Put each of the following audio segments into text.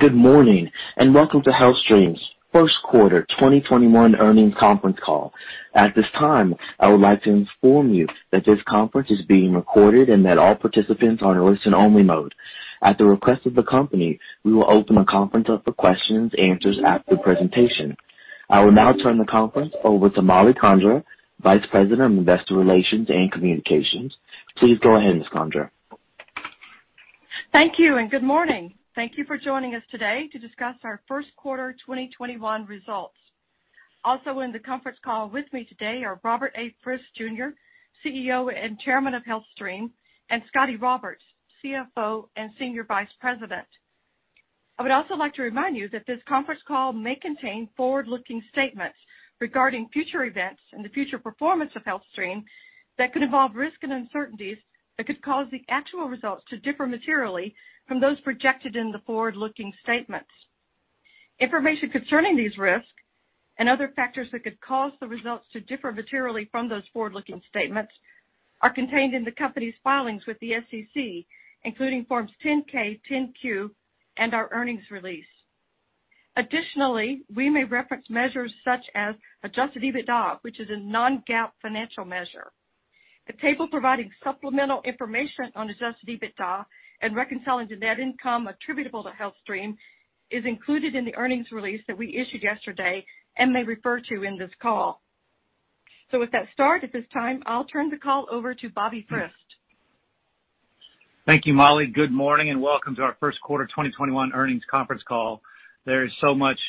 Good morning and welcome to HealthStream's First Quarter 2021 Earnings Conference Call. At this time, I would like to inform you that this conference is being recorded and that all participants are in listen only mode. At the request of the company, we will open the conference up for questions and answers after presentation. I will now turn the conference over to Mollie Condra, Vice President of Investor Relations and Communications. Please go ahead, Ms. Condra. Thank you and good morning. Thank you for joining us today to discuss our First Quarter 2021 results. Also in the conference call with me today are Robert A. Frist Jr., CEO and Chairman of HealthStream, and Scotty Roberts, CFO and Senior Vice President. I would also like to remind you that this conference call may contain forward-looking statements regarding future events and the future performance of HealthStream that could involve risk and uncertainties that could cause the actual results to differ materially from those projected in the forward-looking statements. Information concerning these risks and other factors that could cause the results to differ materially from those forward-looking statements are contained in the company's filings with the SEC, including Forms 10-K, 10-Q, and our earnings release. Additionally, we may reference measures such as adjusted EBITDA, which is a non-GAAP financial measure. The table providing supplemental information on adjusted EBITDA and reconciling to net income attributable to HealthStream is included in the earnings release that we issued yesterday and may refer to in this call. With that start, at this time, I'll turn the call over to Bobby Frist. Thank you, Mollie. Good morning and welcome to our First Quarter 2021 Earnings Conference Call. There is so much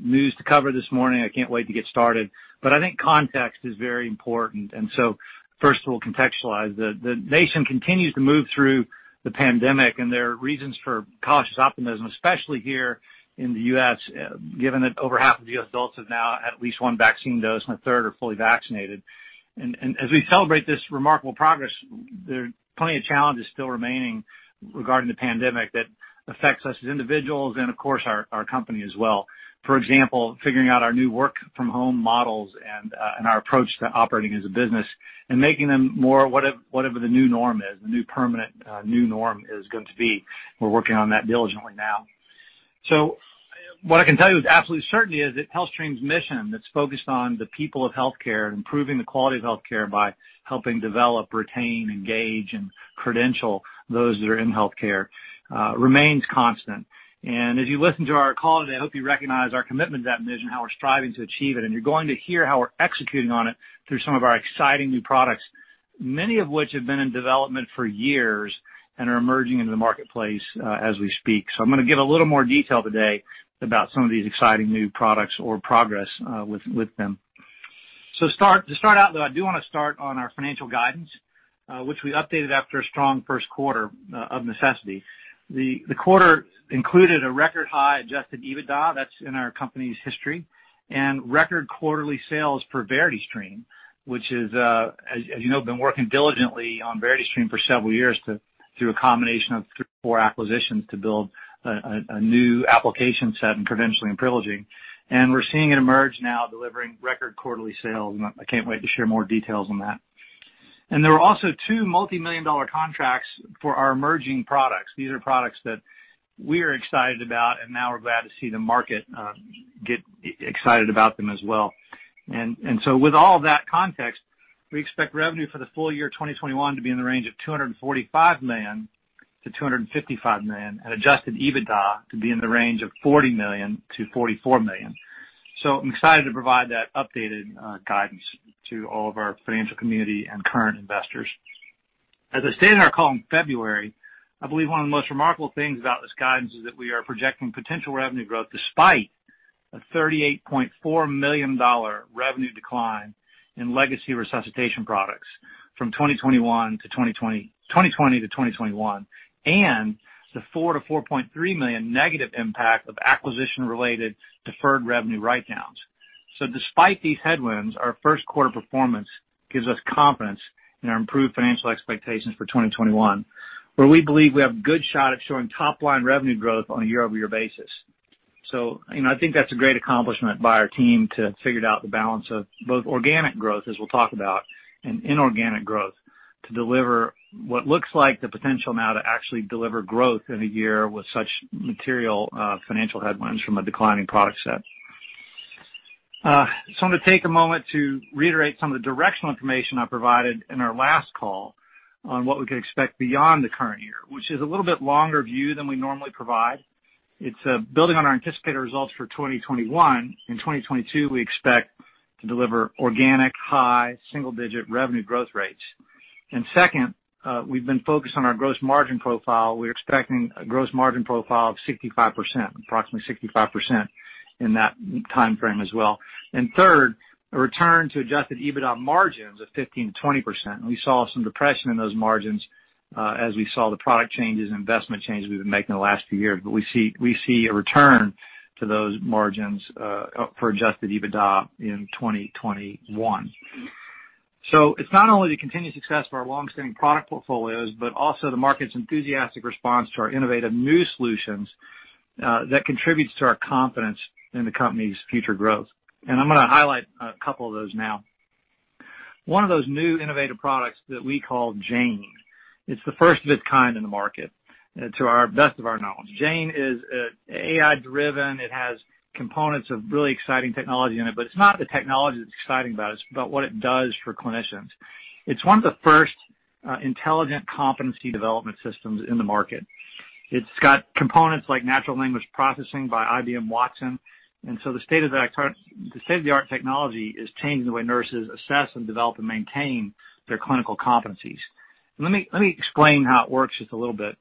news to cover this morning. I can't wait to get started, but I think context is very important, and so first we'll contextualize. The nation continues to move through the pandemic, and there are reasons for cautious optimism, especially here in the U.S., given that over half of U.S. adults have now had at least one vaccine dose, and a 1/3 are fully vaccinated. As we celebrate this remarkable progress, there are plenty of challenges still remaining regarding the pandemic that affects us as individuals and, of course, our company as well. For example, figuring out our new work from home models, and our approach to operating as a business and making them more whatever the new norm is, the new permanent new norm is going to be. We're working on that diligently now. What I can tell you with absolute certainty is that HealthStream's mission that's focused on the people of healthcare and improving the quality of healthcare by helping develop, retain, engage, and credential those that are in healthcare remains constant. As you listen to our call today, I hope you recognize our commitment to that mission, how we're striving to achieve it, and you're going to hear how we're executing on it through some of our exciting new products, many of which have been in development for years, and are emerging into the marketplace as we speak. I'm going to give a little more detail today about some of these exciting new products or progress with them. To start out, though, I do want to start on our financial guidance, which we updated after a strong first quarter of necessity. The quarter included a record high adjusted EBITDA, that's in our company's history, and record quarterly sales for VerityStream, which is, as you know, been working diligently on VerityStream for several years through a combination of three or four acquisitions to build a new application set in credentialing and privileging, and we're seeing it emerge now delivering record quarterly sales, and I can't wait to share more details on that. There were also two multi-million dollar contracts for our emerging products. These are products that we are excited about, and now we're glad to see the market get excited about them as well. With all that context, we expect revenue for the full-year 2021 to be in the range of $245 million to $255 million, and adjusted EBITDA to be in the range of $40 million to $44 million. I'm excited to provide that updated guidance to all of our financial community and current investors. As I stated in our call in February, I believe one of the most remarkable things about this guidance is that we are projecting potential revenue growth despite a $38.4 million revenue decline in legacy resuscitation products from 2020 to 2021, and the $4 million to $4.3 million negative impact of acquisition-related deferred revenue write downs. Despite these headwinds, our first quarter performance gives us confidence in our improved financial expectations for 2021, where we believe we have a good shot at showing top-line revenue growth on a year-over-year basis. I think that's a great accomplishment by our team to figure out the balance of both organic growth, as we'll talk about, and inorganic growth to deliver what looks like the potential now to actually deliver growth in a year with such material financial headwinds from a declining product set. I'm going to take a moment to reiterate some of the directional information I provided in our last call on what we could expect beyond the current year, which is a little bit longer view than we normally provide. It's building on our anticipated results for 2021. In 2022, we expect to deliver organic high single-digit revenue growth rates. Second, we've been focused on our gross margin profile. We're expecting a gross margin profile of 65%, approximately 65% in that timeframe as well, and third, a return to adjusted EBITDA margins of 15% to 20%. We saw some depression in those margins as we saw the product changes and investment changes we've been making in the last few years. We see a return to those margins for adjusted EBITDA in 2021. It's not only the continued success of our longstanding product portfolios, but also the market's enthusiastic response to our innovative new solutions that contributes to our confidence in the company's future growth, and I'm going to highlight a couple of those now. One of those new innovative products that we call Jane. It's the first of its kind in the market and to the best of our knowledge. Jane is AI-driven. It has components of really exciting technology in it, but it's not the technology that's exciting about it, it's about what it does for clinicians. It's one of the first intelligent competency development systems in the market. It's got components like natural language processing by IBM Watson and so the state-of-the-art technology is changing the way nurses assess and develop and maintain their clinical competencies. Let me explain how it works just a little bit.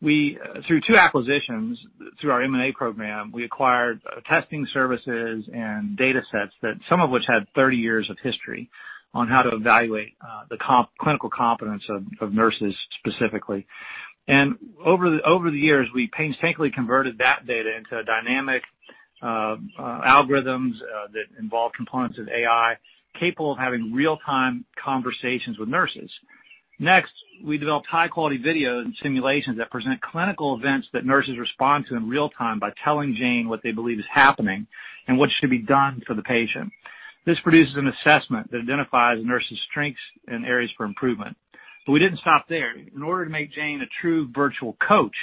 Through two acquisitions, through our M&A program, we acquired testing services and data sets that some of which had 30 years of history on how to evaluate the clinical competence of nurses, specifically. Over the years, we painstakingly converted that data into dynamic algorithms that involve components of AI, capable of having real-time conversations with nurses. Next, we developed high-quality video and simulations that present clinical events that nurses respond to in real-time by telling Jane what they believe is happening and what should be done for the patient. This produces an assessment that identifies a nurse's strengths and areas for improvement but we didn't stop there. In order to make Jane a true virtual coach,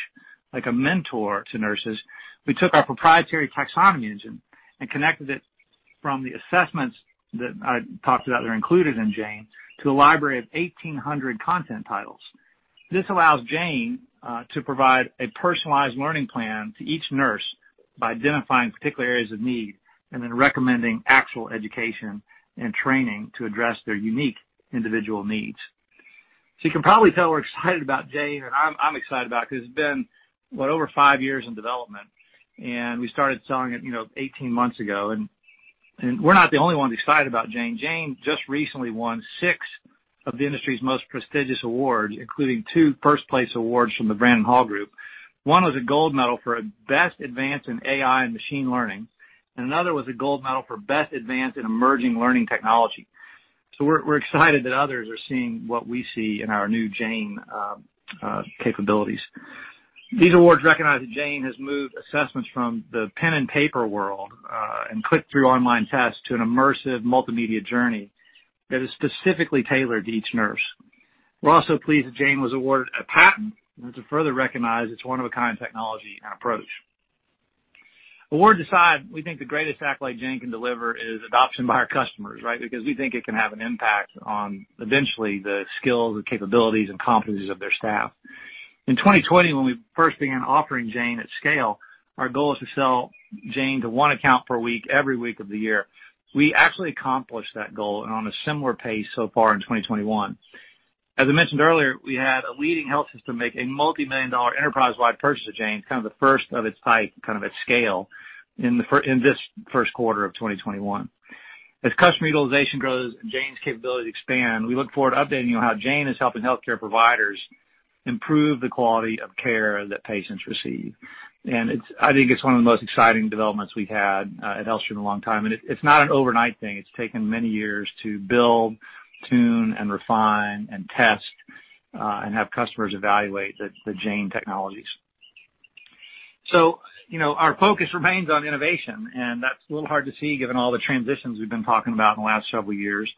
like a mentor to nurses, we took our proprietary taxonomy engine and connected it from the assessments that I talked about that are included in Jane, to a library of 1,800 content titles. This allows Jane to provide a personalized learning plan to each nurse by identifying particular areas of need, and then recommending actual education and training to address their unique individual needs. You can probably tell we're excited about Jane, and I'm excited about it, because it's been what, over five years in development, and we started selling it 18 months ago. We're not the only ones excited about Jane. Jane just recently won six of the industry's most prestigious awards, including two first-place awards from the Brandon Hall Group. One was a gold medal for best advance in AI and machine learning, and another was a gold medal for best advance in emerging learning technology. We're excited that others are seeing what we see in our new Jane capabilities. These awards recognize that Jane has moved assessments from the pen and paper world, and click-through online tests, to an immersive multimedia journey that is specifically tailored to each nurse. We're also pleased that Jane was awarded a patent and to further recognize its one-of-a-kind technology and approach. Awards aside, we think the greatest impact Jane can deliver is adoption by our customers, right, because we think it can have an impact on eventually the skills, the capabilities, and competencies of their staff. In 2020, when we first began offering Jane at scale, our goal was to sell Jane to one account per week every week of the year. We actually accomplished that goal and are on a similar pace so far in 2021. As I mentioned earlier, we had a leading health system make a multimillion-dollar enterprise-wide purchase of Jane, kind of the first of its type at scale in this first quarter of 2021. As customer utilization grows and Jane's capabilities expand, we look forward to updating you on how Jane is helping healthcare providers improve the quality of care that patients receive, and I think it's one of the most exciting developments we've had at HealthStream in a long time. It's not an overnight thing. It's taken many years to build, tune, and refine, and test, and have customers evaluate the Jane technologies. Our focus remains on innovation, and that's a little hard to see given all the transitions we've been talking about in the last several years.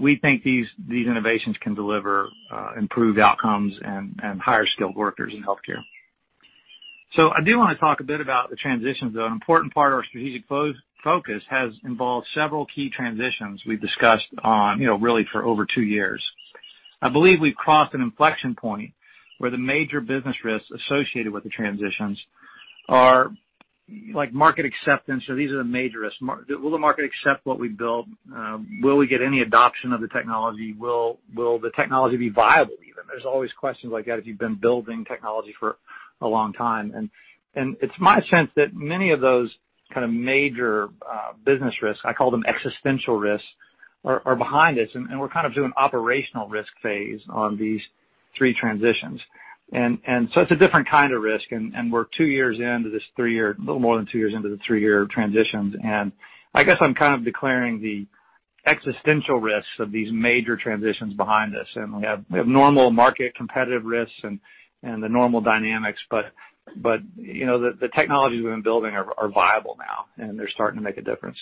We think these innovations can deliver improved outcomes and higher-skilled workers in healthcare. I do want to talk a bit about the transitions, though. An important part of our strategic focus has involved several key transitions we've discussed on, really for over two years. I believe we've crossed an inflection point where the major business risks associated with the transitions are market acceptance, so these are the major risks. Will the market accept what we built? Will we get any adoption of the technology? Will the technology be viable, even? There's always questions like that if you've been building technology for a long time. It's my sense that many of those kind of major business risks, I call them existential risks, are behind us, and we're kind of doing operational risk phase on these three transitions. It's a different kind of risk, and we're two years in into this three-year, a little more than two years into the three-year transitions, and, I guess, I'm kind of declaring the existential risks of these major transitions behind us, and we have normal market competitive risks, and the normal dynamics. The technologies we've been building are viable now and they're starting to make a difference.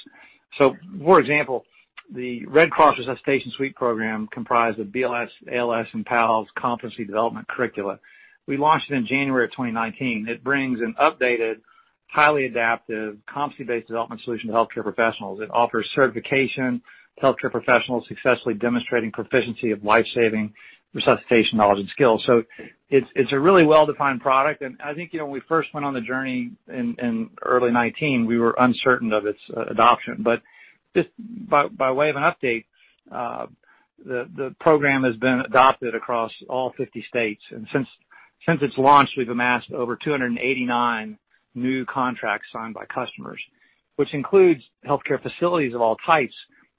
For example, the Red Cross Resuscitation Suite program, comprised of BLS, ALS, and PALS competency development curricula, and we launched it in January of 2019. It brings an updated, highly adaptive, competency-based development solution to healthcare professionals. It offers certification to healthcare professionals successfully demonstrating proficiency of life-saving resuscitation knowledge and skills. It's a really well-defined product, and I think when we first went on the journey in early 2019, we were uncertain of its adoption. By way of an update, the program has been adopted across all 50 states, and since its launch, we have amassed over 289 new contracts signed by customers, which includes healthcare facilities of all types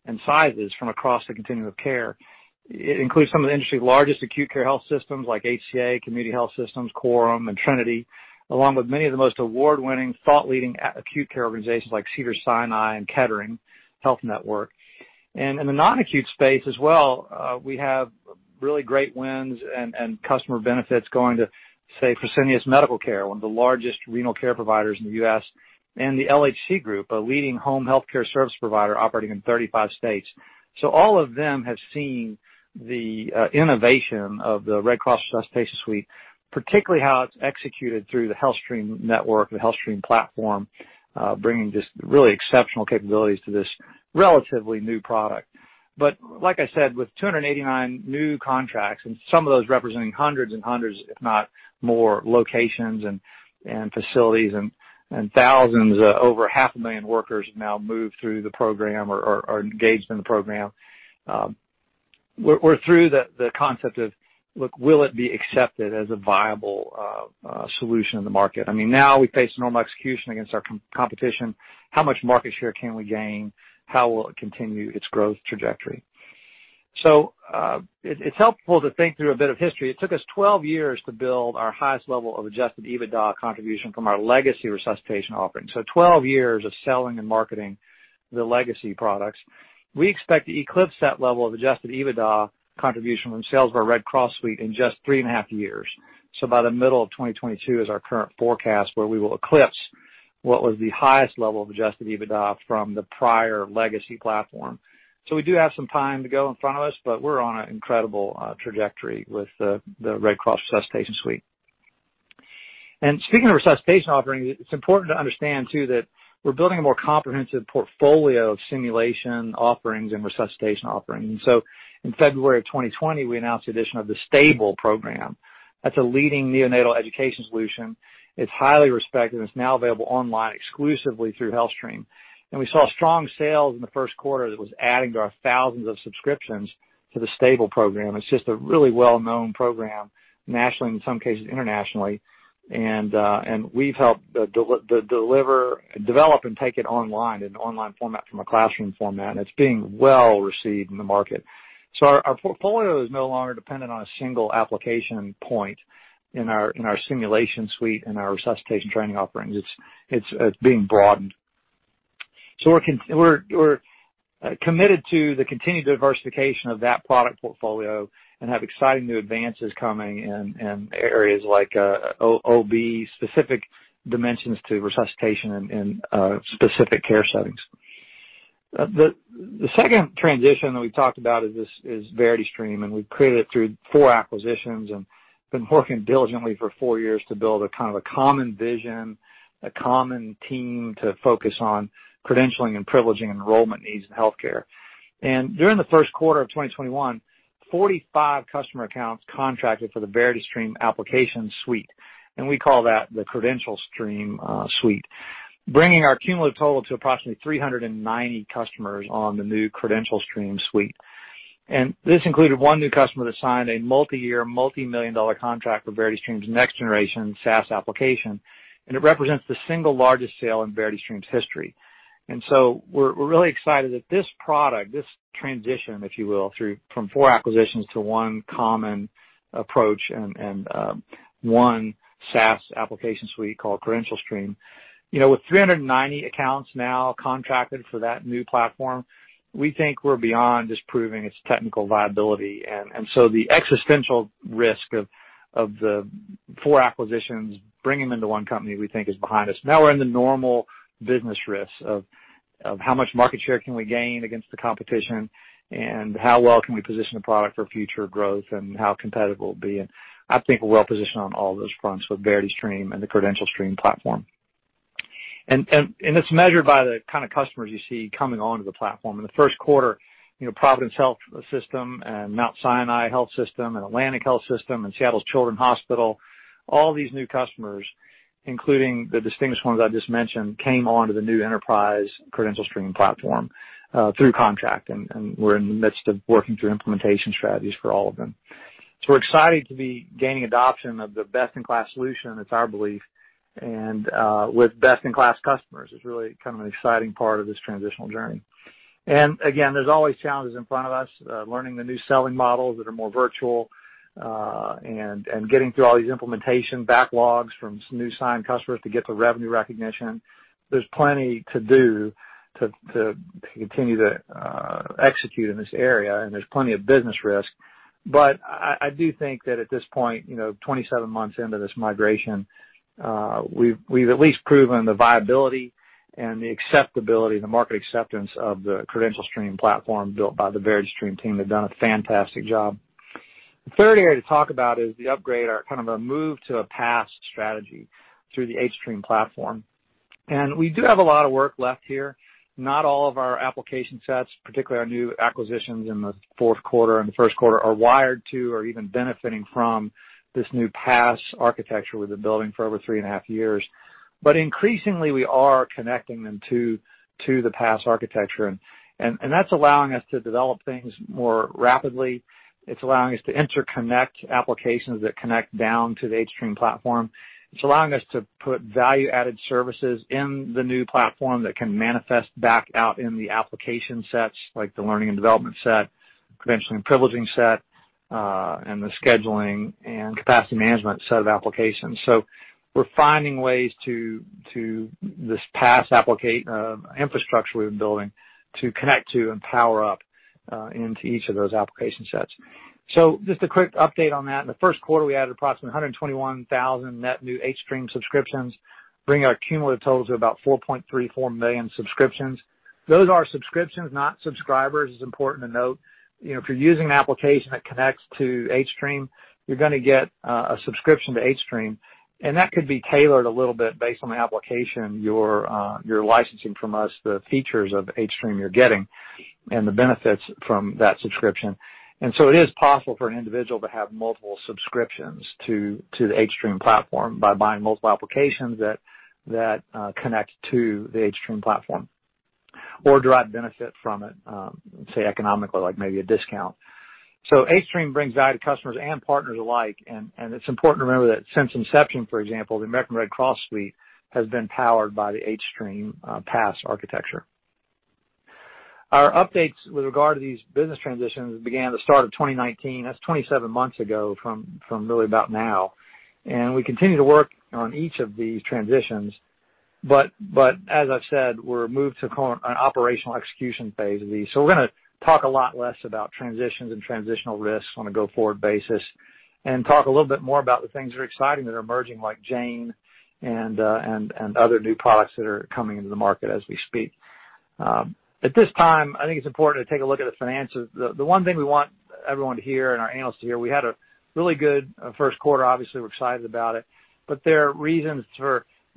and sizes from across the continuum of care. It includes some of the industry's largest acute care health systems like HCA, Community Health Systems, Coram, and Trinity, along with many of the most award-winning, thought-leading acute care organizations like Cedars-Sinai and Kettering Health Network. In the non-acute space as well, we have really great wins and customer benefits going to say, Fresenius Medical Care, one of the largest renal care providers in the U.S., and the LHC Group, a leading home healthcare service provider operating in 35 states. All of them have seen the innovation of the Red Cross Resuscitation Suite, particularly how it's executed through the HealthStream network, and the HealthStream platform, bringing just really exceptional capabilities to this relatively new product. But like I said, with 289 new contracts, and some of those representing 100s and 100s, if not more, locations and facilities and 1,000s, over 500,000 workers have now moved through the program or are engaged in the program. We're through the concept of, look, will it be accepted as a viable solution in the market? I mean, now we face normal execution against our competition. How much market share can we gain? How will it continue its growth trajectory? It's helpful to think through a bit of history. It took us 12 years to build our highest level of adjusted EBITDA contribution from our legacy resuscitation offerings, so 12 years of selling and marketing the legacy products. We expect to eclipse that level of adjusted EBITDA contribution from sales of our Red Cross Suite in just 3.5 years. By the middle of 2022 is our current forecast, where we will eclipse what was the highest level of adjusted EBITDA from the prior legacy platform. We do have some time to go in front of us, but we're on an incredible trajectory with the Red Cross Resuscitation Suite. Speaking of resuscitation offerings, it's important to understand too that we're building a more comprehensive portfolio of simulation offerings and resuscitation offerings. In February of 2020, we announced the addition of the S.T.A.B.L.E. Program. That's a leading neonatal education solution. It's highly respected, and it's now available online exclusively through HealthStream. We saw strong sales in the first quarter that was adding to our 1,000s of subscriptions to the S.T.A.B.L.E. Program. It's just a really well-known program nationally, and in some cases internationally, and we've helped to develop and take it online in an online format from a classroom format, and it's being well-received in the market. Our portfolio is no longer dependent on a single application point in our simulation suite and our resuscitation training offerings. It's being broadened. We're committed to the continued diversification of that product portfolio and have exciting new advances coming in areas like OB-specific dimensions to resuscitation and specific care settings. The second transition that we've talked about is VerityStream, and we've created it through four acquisitions, and been working diligently for four years to build a kind of a common vision, a common team to focus on credentialing and privileging enrollment needs in healthcare. During the first quarter of 2021, 45 customer accounts contracted for the VerityStream application suite, and we call that the CredentialStream suite, bringing our cumulative total to approximately 390 customers on the new CredentialStream suite. This included one new customer that signed a multi-year, multi-million dollar contract for VerityStream's next generation SaaS application, and it represents the single largest sale in VerityStream's history. We're really excited that this product, this transition, if you will, from four acquisitions to one common approach, and one SaaS application suite called CredentialStream. You know, with 390 accounts now contracted for that new platform, we think we're beyond just proving its technical viability, and so the existential risk of the four acquisitions, bringing them into one company, we think is behind us. Now we're in the normal business risks of how much market share can we gain against the competition, and how well can we position the product for future growth, and how competitive it will be. I think we're well-positioned on all those fronts with VerityStream and the CredentialStream platform. It's measured by the kind of customers you see coming onto the platform. In the first quarter, you know, Providence Health & Services and Mount Sinai Health System and Atlantic Health System and Seattle Children's Hospital, all these new customers, including the distinguished ones I just mentioned, came onto the new enterprise CredentialStream platform through contract. We're in the midst of working through implementation strategies for all of them. We're excited to be gaining adoption of the best-in-class solution, it's our belief, and with best-in-class customers. It's really kind of an exciting part of this transitional journey. Again, there's always challenges in front of us, learning the new selling models that are more virtual, and getting through all these implementation backlogs from some new signed customers to get the revenue recognition. There's plenty to do to continue to execute in this area, and there's plenty of business risk, but I do think that at this point, 27 months into this migration, we've at least proven the viability and the acceptability, the market acceptance of the CredentialStream platform built by the VerityStream team. They've done a fantastic job. The third area to talk about is the upgrade, our move to a PaaS strategy through the hStream platform, and we do have a lot of work left here. Not all of our application sets, particularly our new acquisitions in the fourth quarter and the first quarter, are wired to or even benefiting from this new PaaS architecture we've been building for over three and a half years. Increasingly, we are connecting them to the PaaS architecture, and that's allowing us to develop things more rapidly. It's allowing us to interconnect applications that connect down to the hStream platform. It's allowing us to put value-added services in the new platform that can manifest back out in the application sets, like the learning and development set, credentialing and privileging set, and the scheduling and capacity management set of applications. We're finding ways to this PaaS infrastructure we've been building to connect to and power up into each of those application sets. Just a quick update on that. In the first quarter, we added approximately 121,000 net new hStream subscriptions, bringing our cumulative totals to about 4.34 million subscriptions. Those are subscriptions, not subscribers, it's important to note. If you're using an application that connects to hStream, you're going to get a subscription to hStream, and that could be tailored a little bit based on the application you're licensing from us, the features of hStream you're getting, and the benefits from that subscription. It is possible for an individual to have multiple subscriptions to the hStream platform by buying multiple applications that connect to the hStream platform or derive benefit from it, say, economically, like maybe a discount. hStream brings value to customers and partners alike, and it's important to remember that since inception, for example, the American Red Cross suite has been powered by the hStream PaaS architecture. Our updates with regard to these business transitions began at the start of 2019. That's 27 months ago from really about now, and we continue to work on each of these transitions. As I've said, we're moved to an operational execution phase of these. We're going to talk a lot less about transitions and transitional risks on a go-forward basis and talk a little bit more about the things that are exciting that are emerging, like Jane and other new products that are coming into the market as we speak. At this time, I think it's important to take a look at the finances. The one thing we want everyone to hear and our analysts to hear, we had a really good first quarter and, obviously, we're excited about it. There are reasons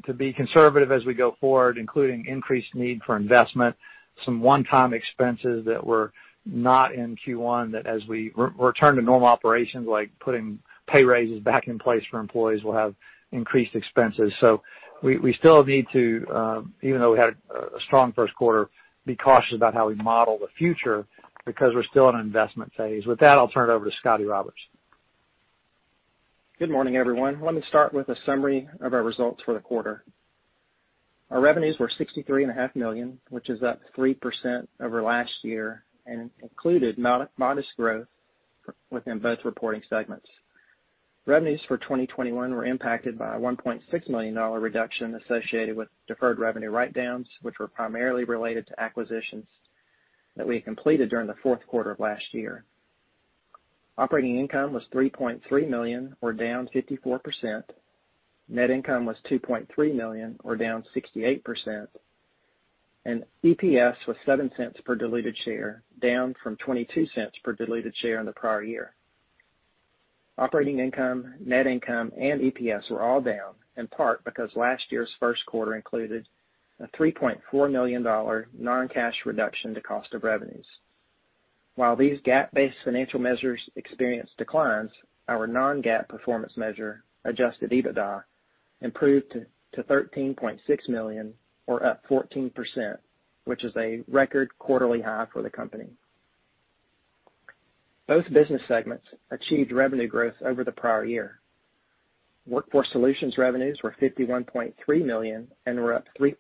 to be conservative as we go forward, including increased need for investment, some one-time expenses that were not in Q1, that as we return to normal operations, like putting pay raises back in place for employees, we'll have increased expenses. We still need to, even though we had a strong first quarter, be cautious about how we model the future, because we're still in an investment phase. With that, I'll turn it over to Scotty Roberts. Good morning, everyone. Let me start with a summary of our results for the quarter. Our revenues were $63.5 million, which is up 3% over last year, and included modest growth within both reporting segments. Revenues for 2021 were impacted by a $1.6 million reduction associated with deferred revenue write-downs, which were primarily related to acquisitions that we had completed during the fourth quarter of last year. Operating income was $3.3 million, or down 54%. Net income was $2.3 million, or down 68%, and EPS was $0.07 per diluted share, down from $0.22 per diluted share in the prior year. Operating income, net income, and EPS were all down, in part because last year's first quarter included a $3.4 million non-cash reduction to cost of revenues. While these GAAP-based financial measures experienced declines, our non-GAAP performance measure, adjusted EBITDA, improved to $13.6 million or up 14%, which is a record quarterly high for the company. Both business segments achieved revenue growth over the prior year. Workforce Solutions revenues were $51.3 million and were up 3%,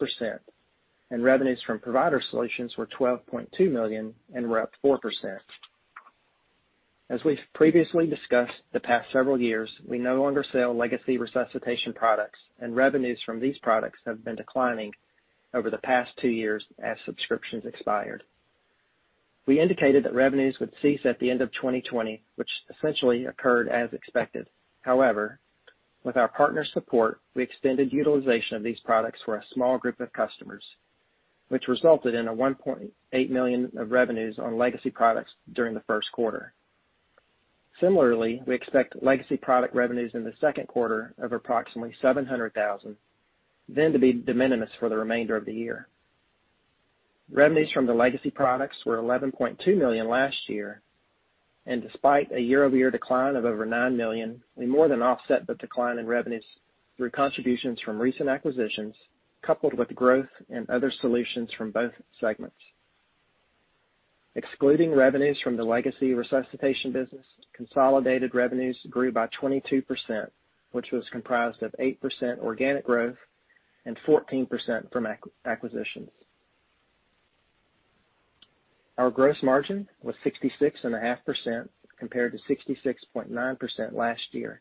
and revenues from Provider Solutions were $12.2 million and were up 4%. As we've previously discussed the past several years, we no longer sell legacy resuscitation products, and revenues from these products have been declining over the past two years as subscriptions expired. We indicated that revenues would cease at the end of 2020, which essentially occurred as expected. However, with our partners' support, we extended utilization of these products for a small group of customers, which resulted in a $1.8 million of revenues on legacy products during the first quarter. Similarly, we expect legacy product revenues in the second quarter of approximately $700,000, then to be de minimis for the remainder of the year. Despite a year-over-year decline of over $9 million, revenues from the legacy products were $11.2 million last year, we more than offset the decline in revenues through contributions from recent acquisitions, coupled with growth in other solutions from both segments. Excluding revenues from the legacy resuscitation business, consolidated revenues grew by 22%, which was comprised of 8% organic growth and 14% from acquisitions. Our gross margin was 66.5% compared to 66.9% last year.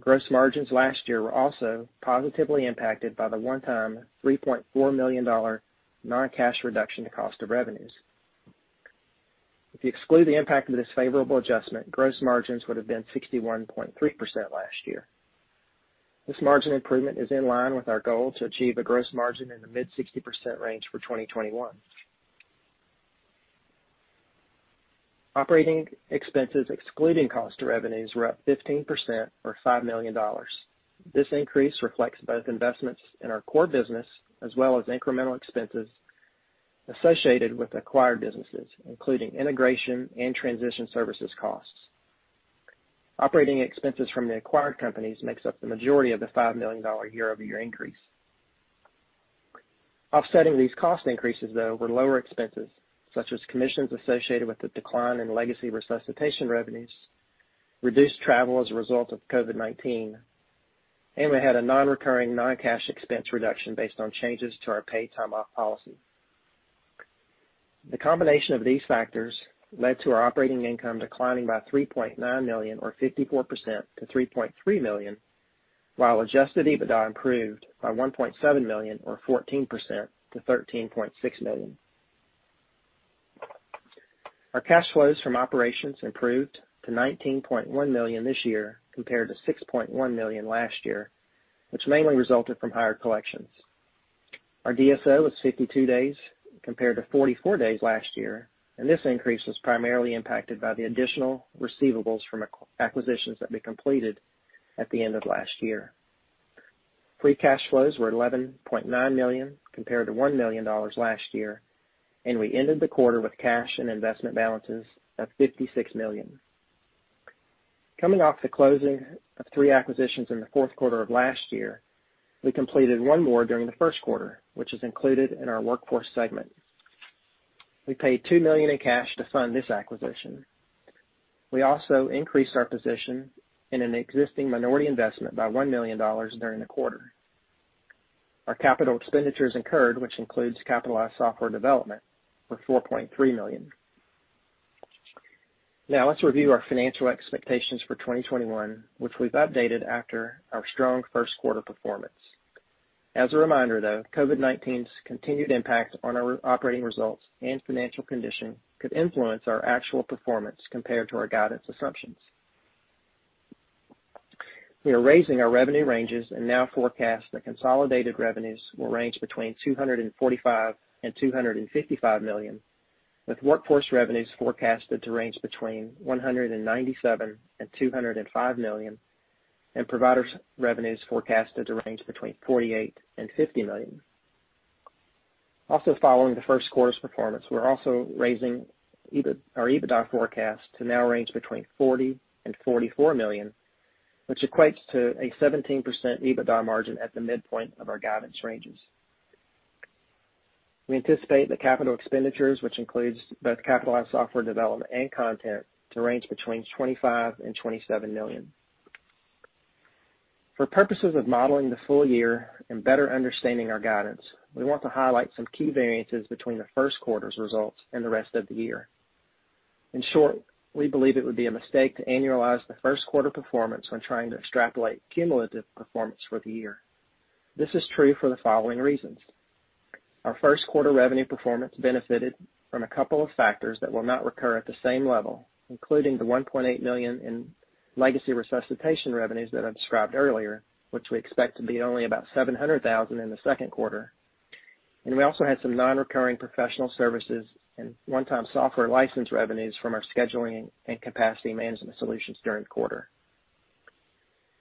Gross margins last year were also positively impacted by the one-time $3.4 million non-cash reduction to cost of revenues. If you exclude the impact of this favorable adjustment, gross margins would have been 61.3% last year. This margin improvement is in line with our goal to achieve a gross margin in the mid-60% range for 2021. Operating expenses, excluding cost of revenues, were up 15% or $5 million. This increase reflects both investments in our core business as well as incremental expenses associated with acquired businesses, including integration and transition services costs. Operating expenses from the acquired companies makes up the majority of the $5 million year-over-year increase. Offsetting these cost increases, though, were lower expenses such as commissions associated with the decline in legacy resuscitation revenues, reduced travel as a result of COVID-19, and we had a non-recurring non-cash expense reduction based on changes to our paid time off policy. The combination of these factors led to our operating income declining by $3.9 million or 54% to $3.3 million, while adjusted EBITDA improved by $1.7 million or 14% to $13.6 million. Our cash flows from operations improved to $19.1 million this year compared to $6.1 million last year, which mainly resulted from higher collections. Our DSO was 52 days compared to 44 days last year, and this increase was primarily impacted by the additional receivables from acquisitions that we completed at the end of last year. Free cash flows were $11.9 million compared to $1 million last year, and we ended the quarter with cash and investment balances of $56 million. Coming off the closing of three acquisitions in the fourth quarter of last year, we completed one more during the first quarter, which is included in our Workforce segment. We paid $2 million in cash to fund this acquisition. We also increased our position in an existing minority investment by $1 million during the quarter. Our capital expenditures incurred, which includes capitalized software development, were $4.3 million. Now, let's review our financial expectations for 2021, which we've updated after our strong first quarter performance. As a reminder, though, COVID-19's continued impact on our operating results and financial condition could influence our actual performance compared to our guidance assumptions. We are raising our revenue ranges and now forecast that consolidated revenues will range between $245 million and $255 million, with Workforce revenues forecasted to range between $197 million and $205 million, and Providers revenues forecasted to range between $48 million and $50 million. Also following the first quarter's performance, we're also raising our EBITDA forecast to now range between $40 million and $44 million, which equates to a 17% EBITDA margin at the midpoint of our guidance ranges. We anticipate the capital expenditures, which includes both capitalized software development and content, to range between $25 million and $27 million. For purposes of modeling the full year and better understanding our guidance, we want to highlight some key variances between the first quarter's results and the rest of the year. In short, we believe it would be a mistake to annualize the first quarter performance when trying to extrapolate cumulative performance for the year. This is true for the following reasons. Our first quarter revenue performance benefited from a couple of factors that will not recur at the same level, including the $1.8 million in legacy Resuscitation revenues that I described earlier, which we expect to be only about $700,000 in the second quarter. We also had some non-recurring professional services and one-time software license revenues from our scheduling and capacity management solutions during the quarter.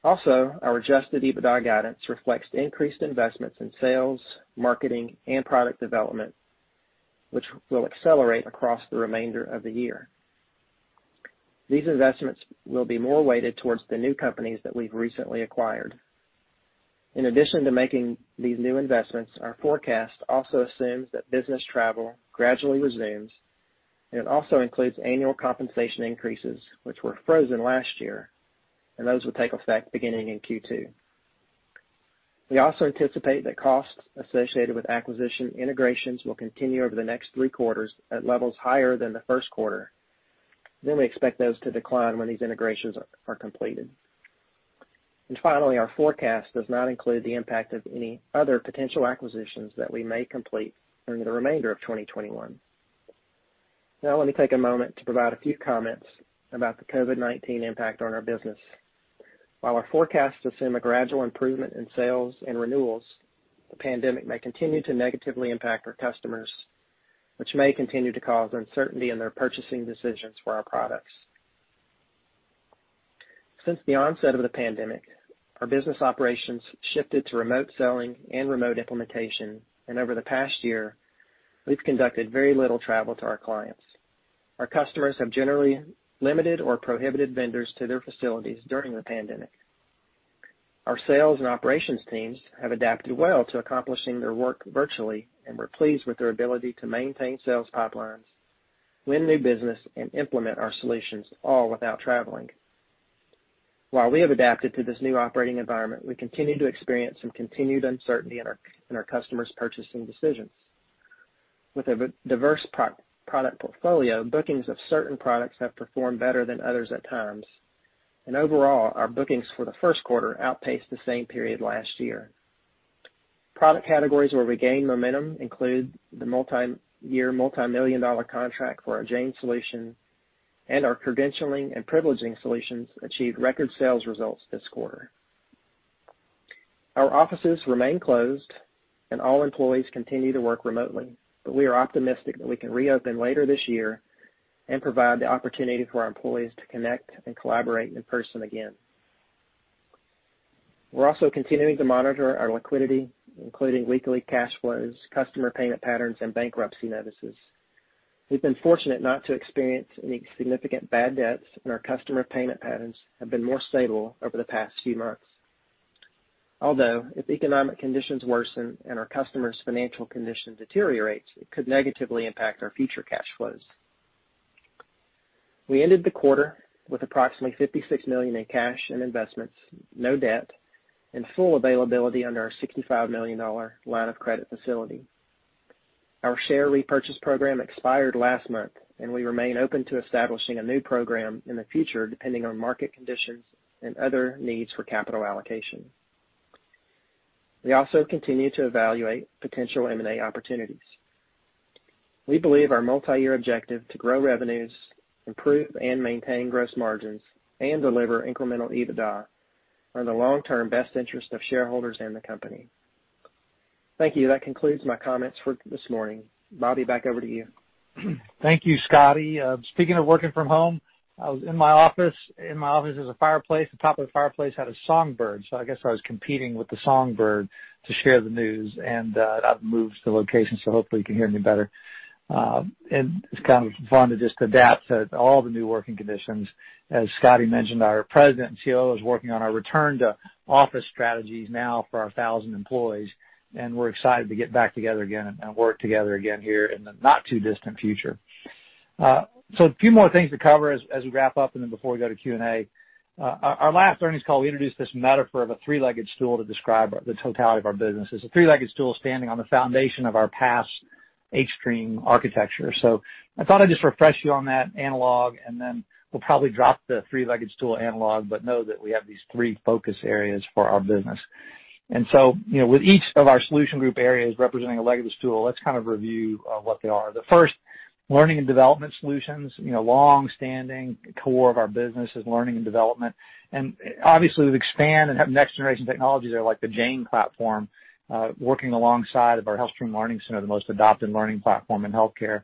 Also, our adjusted EBITDA guidance reflects increased investments in sales, marketing, and product development, which will accelerate across the remainder of the year. These investments will be more weighted towards the new companies that we've recently acquired. In addition to making these new investments, our forecast also assumes that business travel gradually resumes, and it also includes annual compensation increases, which were frozen last year, and those will take effect beginning in Q2. We also anticipate that costs associated with acquisition integrations will continue over the next three quarters at levels higher than the first quarter. We expect those to decline when these integrations are completed. Finally, our forecast does not include the impact of any other potential acquisitions that we may complete during the remainder of 2021. Now let me take a moment to provide a few comments about the COVID-19 impact on our business. While our forecasts assume a gradual improvement in sales and renewals, the pandemic may continue to negatively impact our customers, which may continue to cause uncertainty in their purchasing decisions for our products. Since the onset of the pandemic, our business operations shifted to remote selling and remote implementation, and over the past year, we've conducted very little travel to our clients. Our customers have generally limited or prohibited vendors to their facilities during the pandemic. Our sales and operations teams have adapted well to accomplishing their work virtually, and we're pleased with their ability to maintain sales pipelines, win new business, and implement our solutions all without traveling. While we have adapted to this new operating environment, we continue to experience some continued uncertainty in our customers' purchasing decisions. With a diverse product portfolio, bookings of certain products have performed better than others at times. Overall, our bookings for the first quarter outpaced the same period last year. Product categories where we gained momentum include the multi-year, multimillion-dollar contract for our Jane solution, and our credentialing and privileging solutions achieved record sales results this quarter. Our offices remain closed and all employees continue to work remotely, but we are optimistic that we can reopen later this year, and provide the opportunity for our employees to connect and collaborate in person again. We're also continuing to monitor our liquidity, including weekly cash flows, customer payment patterns, and bankruptcy notices. We've been fortunate not to experience any significant bad debts and our customer payment patterns have been more stable over the past few months. Although, if economic conditions worsen and our customers' financial condition deteriorates, it could negatively impact our future cash flows. We ended the quarter with approximately $56 million in cash and investments, no debt, and full availability under our $65 million line of credit facility. Our share repurchase program expired last month, and we remain open to establishing a new program in the future, depending on market conditions and other needs for capital allocation. We also continue to evaluate potential M&A opportunities. We believe our multi-year objective to grow revenues, improve and maintain gross margins, and deliver incremental EBITDA are in the long-term best interest of shareholders and the company. Thank you. That concludes my comments for this morning. Bobby, back over to you. Thank you, Scotty. Speaking of working from home, I was in my office. In my office, there's a fireplace, at the top of the fireplace had a songbird, so I guess I was competing with the songbird to share the news. I've moved to a location, so hopefully you can hear me better. It's kind of fun to just adapt to all the new working conditions. As Scotty mentioned, our President and COO is working on our return to office strategies now for our 1,000 employees, and we're excited to get back together again and work together again here in the not too distant future. A few more things to cover as we wrap up and then before we go to Q&A. Our last earnings call, we introduced this metaphor of a three-legged stool to describe the totality of our business. It's a three-legged stool standing on the foundation of our past hStream architecture. I thought I'd just refresh you on that analog, we'll probably drop the three-legged stool analog, know that we have these three focus areas for our business, with each of our solution group areas representing a leg of the stool. Let's review what they are. The first, Learning and Development Solutions, you know, long-standing core of our business is Learning and Development. Obviously, we've expanded and have next generation technologies there, like the Jane platform, working alongside of our HealthStream Learning Center, the most adopted learning platform in healthcare.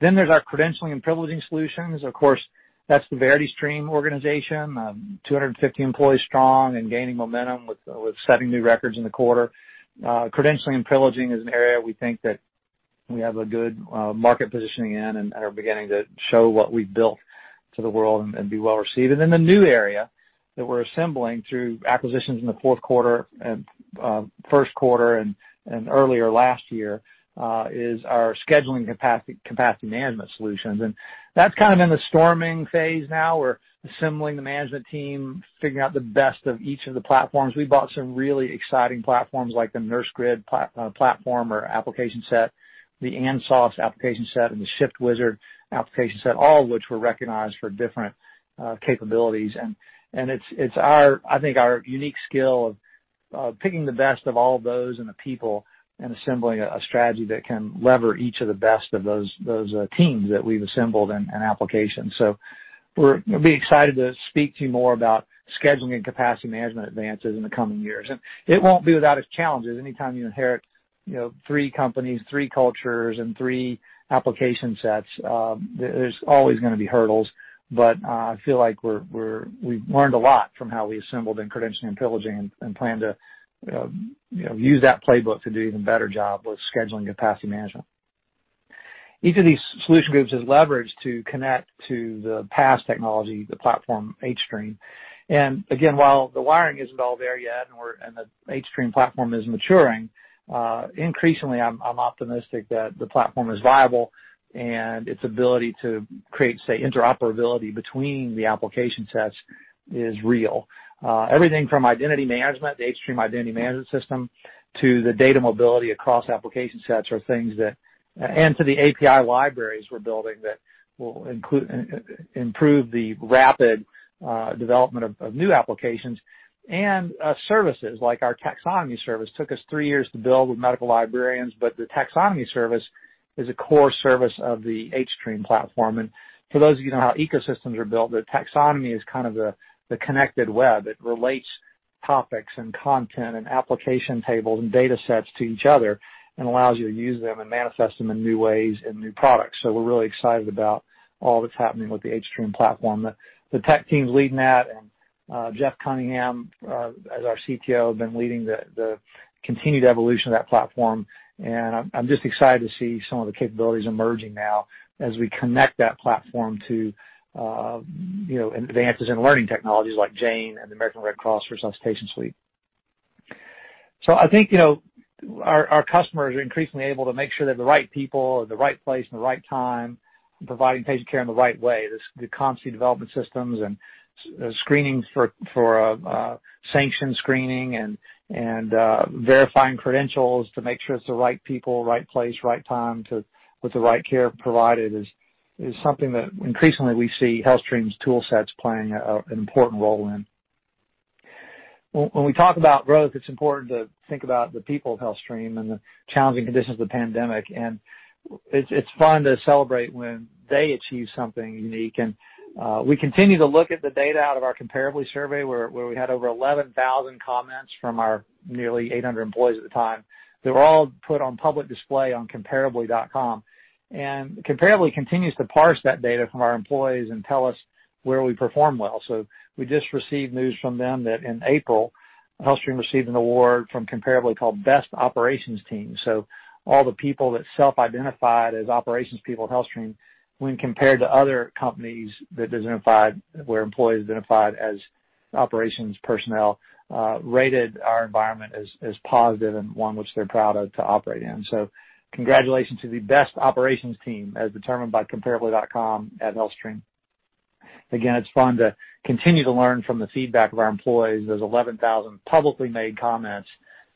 There's our Credentialing and Privileging Solutions. Of course, that's the VerityStream organization, 250 employees strong and gaining momentum with setting new records in the quarter. Credentialing and privileging is an area we think that we have a good market positioning in and are beginning to show what we've built to the world and be well received. The new area that we're assembling through acquisitions in the fourth quarter and first quarter and earlier last year, is our scheduling capacity management solutions. That's in the storming phase now. We're assembling the management team, figuring out the best of each of the platforms. We bought some really exciting platforms like the Nursegrid platform or application set, the ANSOS application set, and the ShiftWizard application set, all which were recognized for different capabilities. It's, I think, our unique skill of picking the best of all of those and the people and assembling a strategy that can lever each of the best of those teams that we've assembled and applications. We'll be excited to speak to you more about scheduling and capacity management advances in the coming years. It won't be without its challenges. Anytime you inherit three companies, three cultures, and three application sets, there's always going to be hurdles. I feel like we've learned a lot from how we assembled in credentialing and privileging and plan to use that playbook to do an even better job with scheduling capacity management. Each of these solution groups is leveraged to connect to the past technology, the platform hStream. Again, while the wiring isn't all there yet and the hStream platform is maturing, increasingly, I'm optimistic that the platform is viable and its ability to create, say, interoperability between the application sets is real. Everything from identity management, the hStream Identity Management system, to the data mobility across application sets are things that and to the API libraries we're building that will improve the rapid development of new applications and services, like our taxonomy service. It took us three years to build with medical librarians, but the taxonomy service is a core service of the hStream platform. For those of you who know how ecosystems are built, the taxonomy is the connected web. It relates topics and content and application tables and data sets to each other and allows you to use them and manifest them in new ways and new products. We're really excited about all that's happening with the hStream platform. The tech team's leading that, and Jeff Cunningham, as our CTO, has been leading the continued evolution of that platform. I'm just excited to see some of the capabilities emerging now as we connect that platform to, you know, advances in learning technologies like Jane and the American Red Cross Resuscitation suite. I think, you know, our customers are increasingly able to make sure that the right people are at the right place and the right time, providing patient care in the right way. The competency development systems and screenings for sanction screening and verifying credentials to make sure it's the right people, the right place, the right time with the right care provided is something that increasingly we see HealthStream's tool sets playing an important role in. When we talk about growth, it's important to think about the people of HealthStream and the challenging conditions of the pandemic. It's fun to celebrate when they achieve something unique. We continue to look at the data out of our Comparably survey, where we had over 11,000 comments from our nearly 800 employees at the time. They were all put on public display on comparably.com. Comparably continues to parse that data from our employees and tell us where we perform well. We just received news from them that in April, HealthStream received an award from Comparably called Best Operations Team. All the people that self-identified as operations people at HealthStream when compared to other companies where employees identified as operations personnel rated our environment as positive and one which they're proud of to operate in. Congratulations to the best operations team, as determined by comparably.com at HealthStream. Again, it's fun to continue to learn from the feedback of our employees, those 11,000 publicly made comments.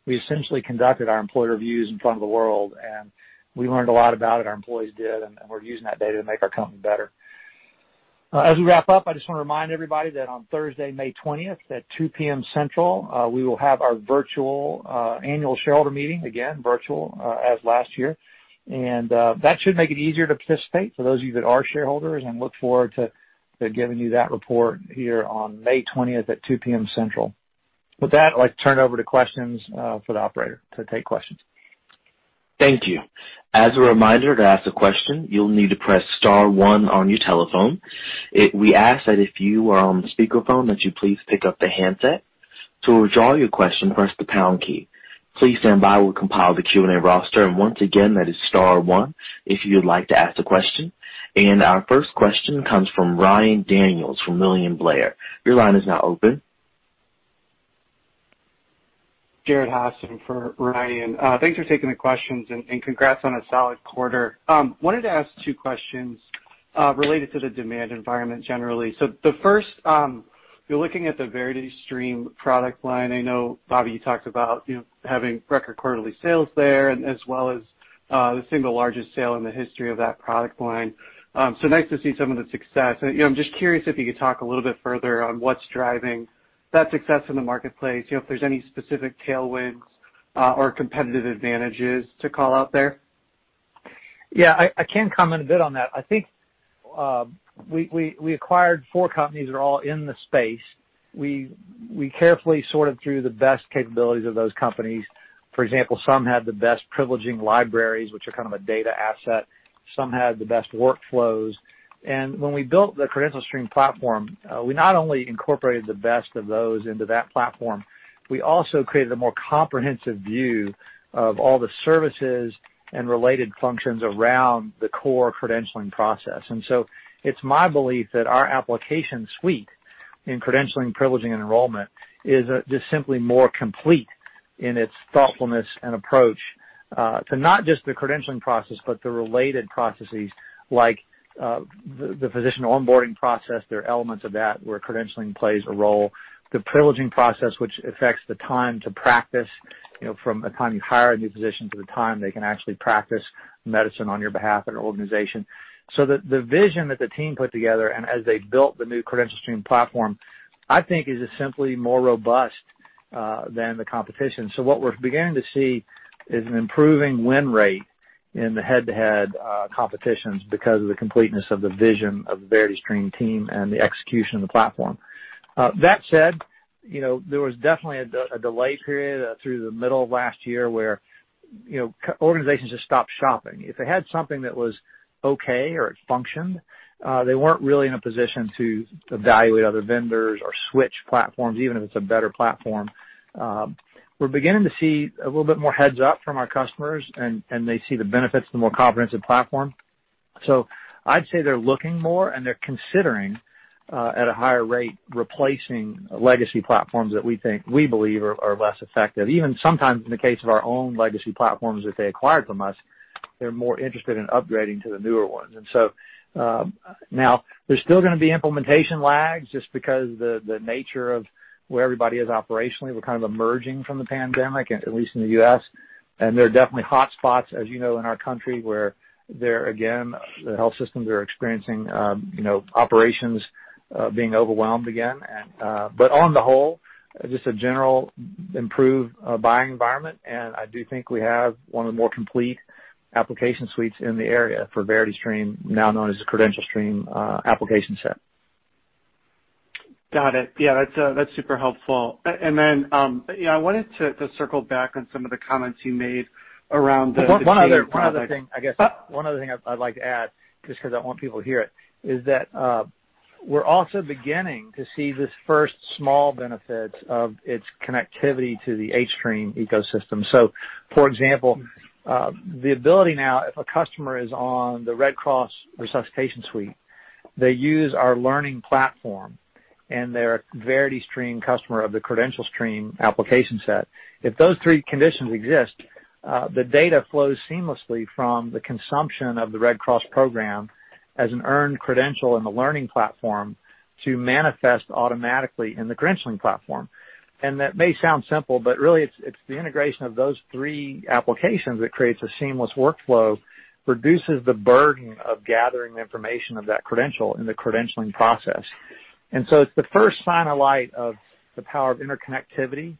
We essentially conducted our employer reviews in front of the world, and we learned a lot about it, our employees did, and we're using that data to make our company better. As we wrap up, I just want to remind everybody that on Thursday, May 20th at 2:00 P.M. Central, we will have our virtual annual shareholder meeting, again, virtual as last year, and that should make it easier to participate for those of you that are shareholders, and look forward to giving you that report here on May 20th at 2:00 P.M. Central. With that, I'd like to turn it over to questions for the operator to take questions. Thank you. As a reminder, to ask a question, you'll need to press star one on your telephone. We ask that if you are on the speakerphone, that you please pick up the handset. To withdraw your question, press the pound key. Please stand by. We'll compile the Q&A roster, and once again, that is star one if you would like to ask a question, and our first question comes from Ryan Daniels from William Blair. Your line is now open. Jared Haase in for Ryan. Thanks for taking the questions and congrats on a solid quarter. I wanted to ask two questions related to the demand environment generally. The first, you're looking at the VerityStream product line. I know, Bobby, you talked about having record quarterly sales there and as well as the single largest sale in the history of that product line, so nice to see some of the success. I'm just curious if you could talk a little bit further on what's driving that success in the marketplace, you know, if there's any specific tailwinds or competitive advantages to call out there. Yeah, I can comment a bit on that. I think we acquired four companies that are all in the space. We carefully sorted through the best capabilities of those companies. For example, some had the best privileging libraries, which are kind of a data asset. Some had the best workflows, and when we built the CredentialStream platform, we not only incorporated the best of those into that platform, we also created a more comprehensive view of all the services and related functions around the core credentialing process. It's my belief that our application suite in credentialing, privileging, and enrollment is just simply more complete in its thoughtfulness and approach to not just the credentialing process, but the related processes like the physician onboarding process. There are elements of that where credentialing plays a role. The privileging process, which affects the time to practice from the time you hire a new physician to the time they can actually practice medicine on your behalf at an organization. The vision that the team put together and as they built the new CredentialStream platform, I think is just simply more robust than the competition. What we're beginning to see is an improving win rate in the head-to-head competitions because of the completeness of the vision of the VerityStream team and the execution of the platform. With that said, you know, there was definitely a delay period through the middle of last year where organizations just stopped shopping. If they had something that was okay or it functioned, they weren't really in a position to evaluate other vendors or switch platforms, even if it's a better platform. We're beginning to see a little bit more heads up from our customers, and they see the benefits of the more comprehensive platform. I'd say they're looking more and they're considering at a higher rate replacing legacy platforms that we believe are less effective. Even sometimes in the case of our own legacy platforms that they acquired from us, they're more interested in upgrading to the newer ones. Now there's still going to be implementation lags just because the nature of where everybody is operationally. We're kind of emerging from the pandemic, at least in the U.S., and there are definitely hotspots, as you know, in our country where there, again, the health systems are experiencing, you know, operations being overwhelmed again. On the whole, just a general improved buying environment. I do think we have one of the more complete application suites in the area for VerityStream, now known as the CredentialStream application set. Got it, yeah, that's super helpful, and then, yeah, I wanted to circle back on some of the comments you made around the Jane product. One other thing I'd like to add, just because I want people to hear it, is that we're also beginning to see the first small benefits of its connectivity to the hStream ecosystem. For example, the ability now, if a customer is on the Red Cross Resuscitation suite, they use our learning platform, and they're a VerityStream customer of the CredentialStream application set. If those three conditions exist, the data flows seamlessly from the consumption of the Red Cross program as an earned credential in the learning platform to manifest automatically in the credentialing platform. That may sound simple, but really it's the integration of those three applications that creates a seamless workflow, reduces the burden of gathering the information of that credential in the credentialing process. It's the first sign of light of the power of interconnectivity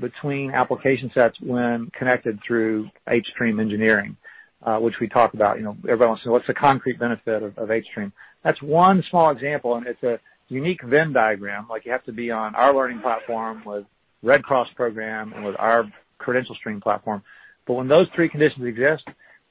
between application sets when connected through hStream engineering, which we talk about. You know, everyone will say, "What's the concrete benefit of hStream?" That's one small example, and it's a unique Venn diagram. Like, you have to be on our learning platform with Red Cross program and with our CredentialStream platform. When those three conditions exist,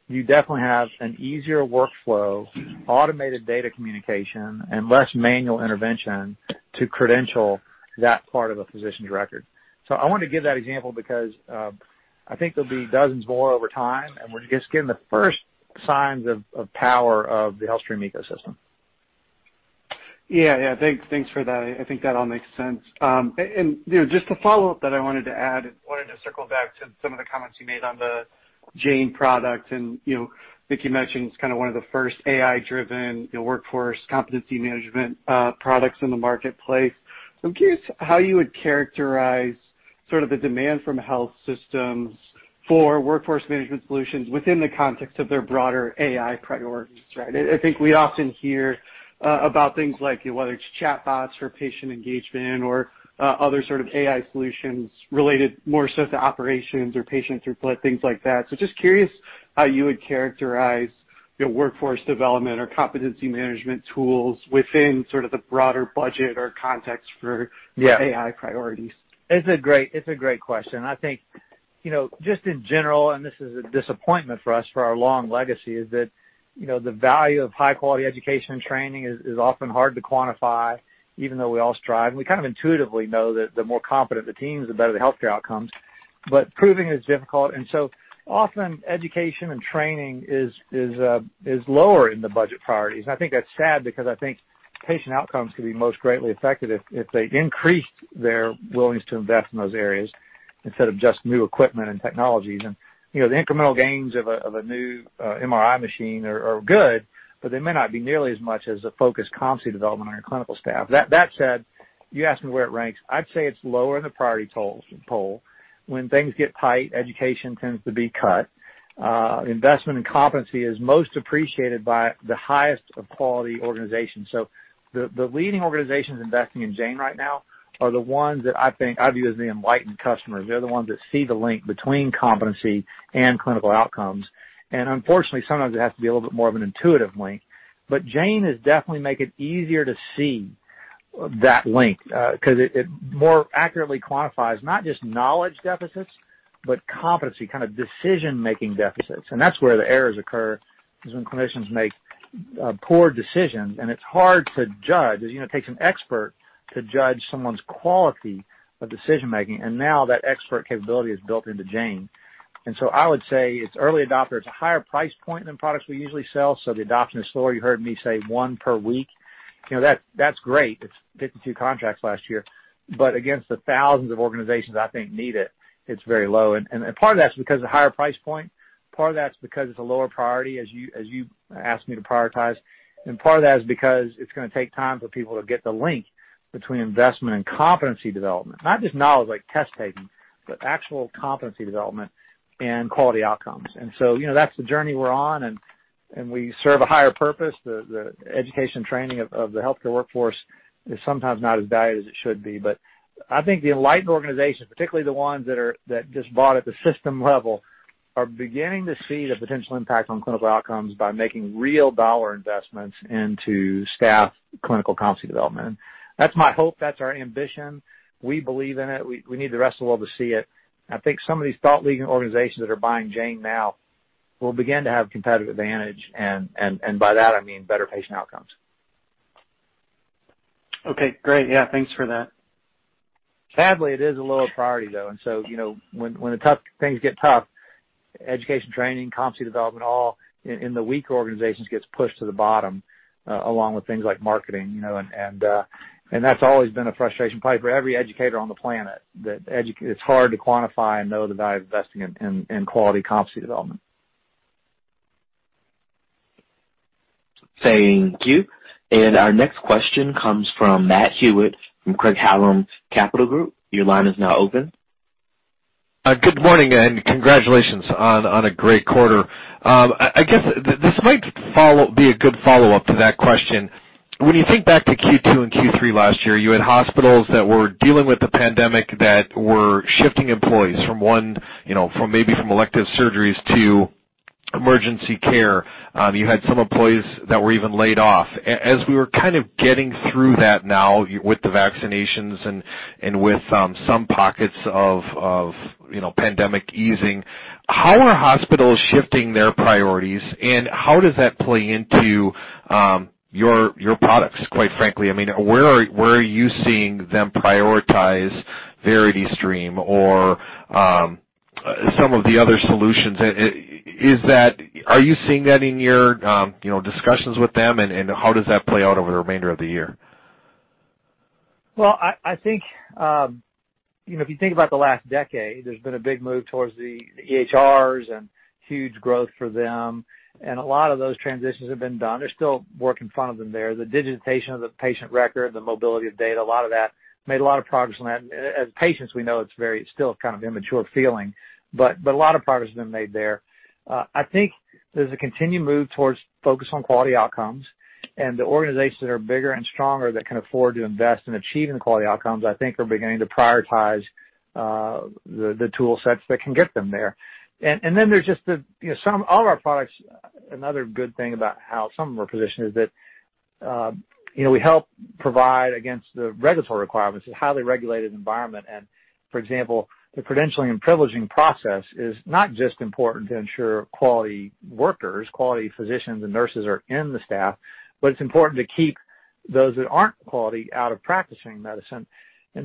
you definitely have an easier workflow, automated data communication, and less manual intervention to credential that part of a physician's record. I wanted to give that example because I think there'll be dozens more over time, and we're just getting the first signs of power of the HealthStream ecosystem. Yeah, thanks for that. I think that all makes sense and, you know, just a follow-up that I wanted to add, I wanted to circle back to some of the comments you made on the Jane product, and, you know, I think you mentioned it's one of the first AI-driven workforce competency management products in the marketplace. I'm curious how you would characterize the demand from health systems for workforce management solutions within the context of their broader AI priorities, right? I think we often hear about things like, whether it's chatbots for patient engagement or other sort of AI solutions related more so to operations or patient throughput, things like that, so just curious how you would characterize workforce development or competency management tools within the broader budget or context for AI priorities? Yeah, it's a great question. I think, you know, just in general, this is a disappointment for us for our long legacy, is that the value of high-quality education and training is often hard to quantify, even though we all strive. We kind of intuitively know that the more competent the teams, the better the healthcare outcomes, but proving it is difficult. Often education and training is lower in the budget priorities. I think that's sad because I think patient outcomes could be most greatly affected if they increased their willingness to invest in those areas instead of just new equipment and technologies. You know, the incremental gains of a new MRI machine are good, but they may not be nearly as much as a focused competency development on your clinical staff. That said, you asked me where it ranks. I'd say it's lower in the priority poll. When things get tight, education tends to be cut. Investment in competency is most appreciated by the highest of quality organizations. The leading organizations investing in Jane right now are the ones that I think I view as the enlightened customers. They're the ones that see the link between competency and clinical outcomes. Unfortunately, sometimes it has to be a little bit more of an intuitive link. Jane has definitely made it easier to see that link, because it more accurately quantifies not just knowledge deficits, but competency, kind of decision-making deficits. That's where the errors occur, is when clinicians make poor decisions. It's hard to judge, as you know, it takes an expert to judge someone's quality of decision making, and now that expert capability is built into Jane. I would say it's early adopter. It's a higher price point than products we usually sell, so the adoption is slower. You heard me say one per week, you know, that's great. It's 52 contracts last year. Against the thousands of organizations I think need it's very low, and part of that is because the higher price point, and part of that is because it's a lower priority, as you asked me to prioritize, and part of that is because it's going to take time for people to get the link between investment and competency development. Not just knowledge, like test-taking, but actual competency development and quality outcomes. That's the journey we're on and we serve a higher purpose. The education training of the healthcare workforce is sometimes not as valued as it should be. I think the enlightened organizations, particularly the ones that just bought at the system level, are beginning to see the potential impact on clinical outcomes by making real dollar investments into staff and clinical competency development. That's my hope, that's our ambition, and we believe in it. We need the rest of the world to see it. I think some of these thought leading organizations that are buying Jane now will begin to have competitive advantage, and by that I mean better patient outcomes. Okay, great. Yeah, thanks for that. Sadly, it is a lower priority though, and so when things get tough, education, training, competency development all in the weak organizations gets pushed to the bottom, along with things like marketing, you know. That's always been a frustration probably for every educator on the planet, that it's hard to quantify and know the value of investing in quality competency development. Thank you and our next question comes from Matthew Hewitt from Craig-Hallum Capital Group. Your line is now open. Good morning and congratulations on a great quarter. I guess this might be a good follow-up to that question. When you think back to Q2 and Q3 last year, you had hospitals that were dealing with the pandemic that were shifting employees from one, you know, maybe from elective surgeries to emergency care. You had some employees that were even laid off. As we were kind of getting through that now with the vaccinations and with some pockets of pandemic easing, how are hospitals shifting their priorities, and how does that play into your products, quite frankly? I mean, where are you seeing them prioritize VerityStream or some of the other solutions? Are you seeing that in your discussions with them, and how does that play out over the remainder of the year? Well, I think, if you think about the last decade, there's been a big move towards the EHRs and huge growth for them, and a lot of those transitions have been done. There's still work in front of them there. The digitization of the patient record, the mobility of data, a lot of that made a lot of progress on that. As patients, we know it's still kind of immature feeling, but a lot of progress has been made there. I think there's a continued move towards focus on quality outcomes. The organizations that are bigger and stronger that can afford to invest in achieving the quality outcomes, I think, are beginning to prioritize the tool sets that can get them there. There's just some of our products, another good thing about how some of them are positioned is that, you know, we help provide against the regulatory requirements. It's a highly regulated environment. For example, the credentialing and privileging process is not just important to ensure quality workers, quality physicians and nurses are in the staff, but it's important to keep those that aren't quality out of practicing medicine.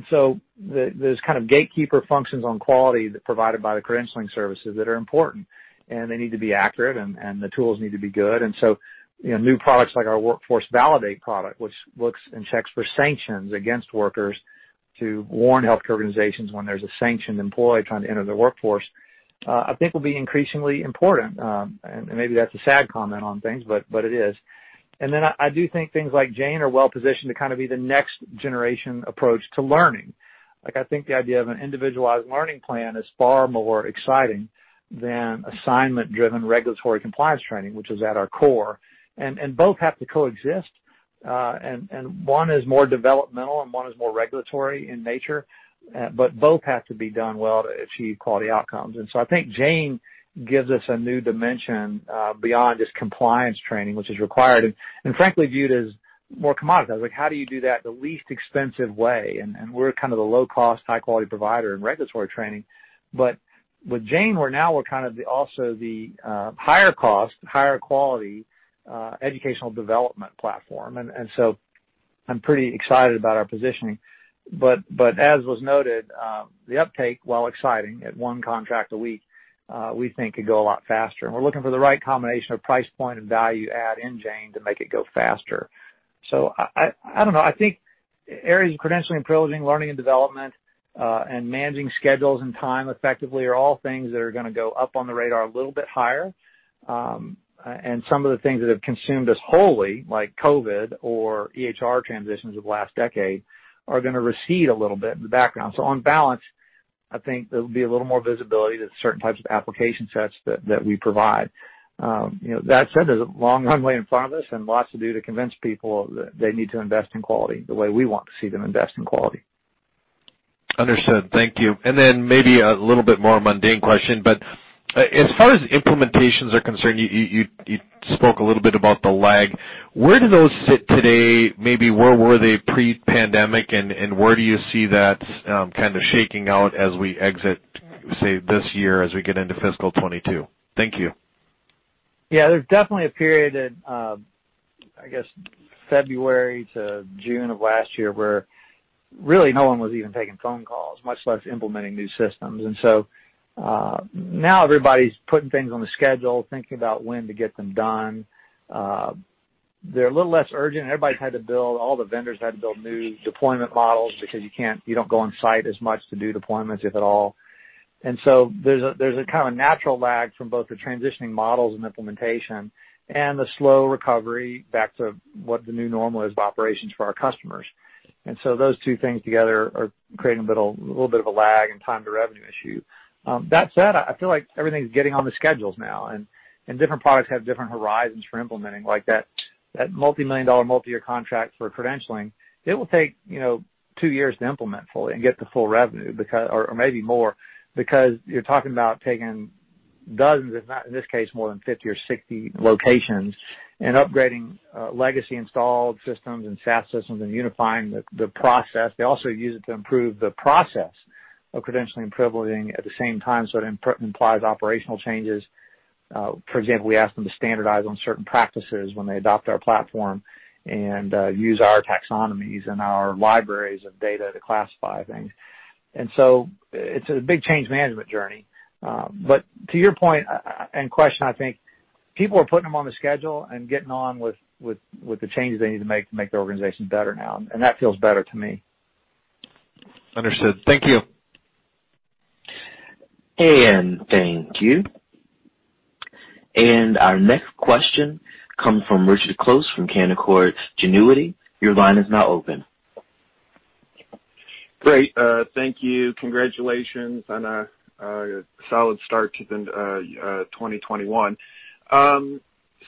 So there's kind of gatekeeper functions on quality provided by the credentialing services that are important. They need to be accurate and the tools need to be good. So, new products like our Workforce Validate product, which looks and checks for sanctions against workers to warn healthcare organizations when there's a sanctioned employee trying to enter the workforce, I think will be increasingly important. Maybe that's a sad comment on things, but it is. Then I do think things like Jane are well-positioned to kind of be the next generation approach to learning. I think the idea of an individualized learning plan is far more exciting than assignment-driven regulatory compliance training, which is at our core, and both have to coexist. One is more developmental, and one is more regulatory in nature, but both have to be done well to achieve quality outcomes. I think Jane gives us a new dimension, beyond just compliance training, which is required and frankly, viewed as more commoditized. How do you do that the least expensive way? We're kind of the low-cost, high-quality provider in regulatory training. With Jane, we're now kind of also the higher cost, and higher quality educational development platform. I'm pretty excited about our positioning. As was noted, the uptake, while exciting at one contract a week, we think could go a lot faster. We're looking for the right combination of price point and value add in Jane to make it go faster. I don't know. I think areas of credentialing and privileging, learning and development, and managing schedules and time effectively are all things that are going to go up on the radar a little bit higher. Some of the things that have consumed us wholly, like COVID or EHR transitions of last decade, are going to recede a little bit in the background. On balance, I think there'll be a little more visibility to certain types of application sets that we provide. That said, there's a long runway in front of us and lots to do to convince people that they need to invest in quality the way we want to see them invest in quality. Understood, thank you, and then maybe a little bit more mundane question, but as far as implementations are concerned, you spoke a little bit about the lag. Where do those sit today? Maybe where were they pre-pandemic, and where do you see that kind of shaking out as we exit, say, this year, as we get into fiscal 2022? Thank you. Yeah, there's definitely a period in, I guess, February to June of last year where really no one was even taking phone calls, much less implementing new systems. Now everybody's putting things on the schedule, thinking about when to get them done. They're a little less urgent. All the vendors had to build new deployment models, because you don't go on site as much to do deployments, if at all. There's a kind of natural lag from both the transitioning models and implementation and the slow recovery back to what the new normal is of operations for our customers. Those two things together are creating a little bit of a lag and time to revenue issue. With that said, I feel like everything's getting on the schedules now, and different products have different horizons for implementing, like that multimillion-dollar, multi-year contract for credentialing. It will take, you know, two years to implement fully and get the full revenue, or maybe more, because you're talking about taking dozens, if not, in this case, more than 50 or 60 locations and upgrading legacy installed systems and SaaS systems and unifying the process. They also use it to improve the process of credentialing and privileging at the same time, so it implies operational changes. For example, we ask them to standardize on certain practices when they adopt our platform and use our taxonomies and our libraries of data to classify things. It's a big change management journey. To your point and question, I think people are putting them on the schedule and getting on with the changes they need to make to make their organizations better now, and that feels better to me. Understood. Thank you. Thank you and our next question comes from Richard Close from Canaccord Genuity. Your line is now open. Great. Thank you. Congratulations on a solid start to 2021.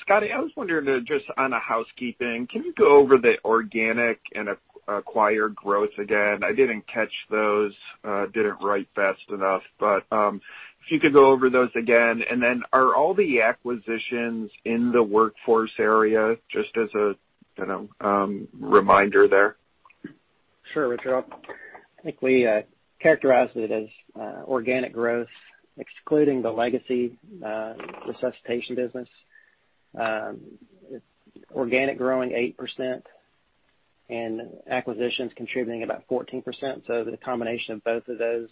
Scotty, I was wondering just on a housekeeping, can you go over the organic and acquired growth again? I didn't catch those. I didn't write fast enough, but if you could go over those again, and then are all the acquisitions in the workforce area? Just as a reminder there. Sure, Richard. I think we characterized it as organic growth, excluding the legacy resuscitation business. Organic growing 8% and acquisitions contributing about 14%, so the combination of both of those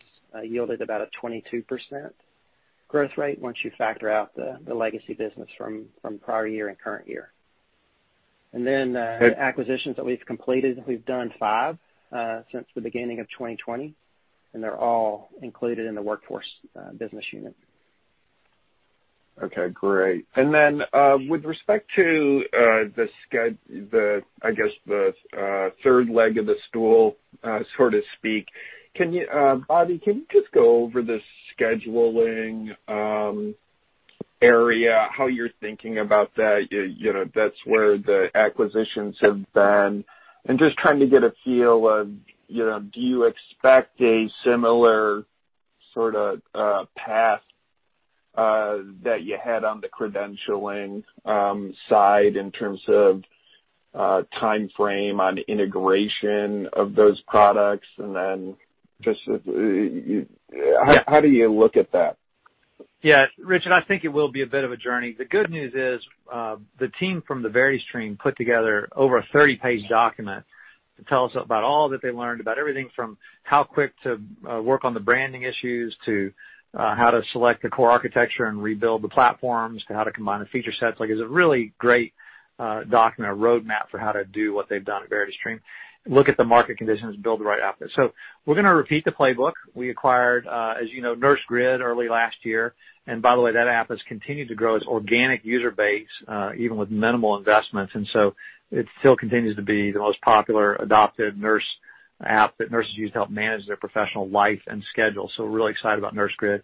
yielded about a 22% growth rate once you factor out the legacy business from prior year and current year. Then the acquisitions that we've completed, we've done five since the beginning of 2020, and they're all included in the Workforce business unit. Okay, great, and with respect to the, I guess the third leg of the stool, so to speak, Bobby, can you just go over the scheduling area, how you're thinking about that? You know, that's where the acquisitions have been, and just trying to get a feel of do you expect a similar sort of path that you had on the credentialing side in terms of timeframe on integration of those products, and then just how do you look at that? Yeah, Richard, I think it will be a bit of a journey. The good news is, the team from the VerityStream put together over a 30-page document to tell us about all that they learned, about everything from how quick to work on the branding issues, to how to select the core architecture and rebuild the platforms, to how to combine the feature sets. It's a really great document, a roadmap for how to do what they've done at VerityStream, and look at the market conditions and build the right output. We're going to repeat the playbook. We acquired, as you know, Nursegrid early last year. By the way, that app has continued to grow its organic user base, even with minimal investments. It still continues to be the most popular adopted nurse app that nurses use to help manage their professional life and schedule. We're really excited about Nursegrid.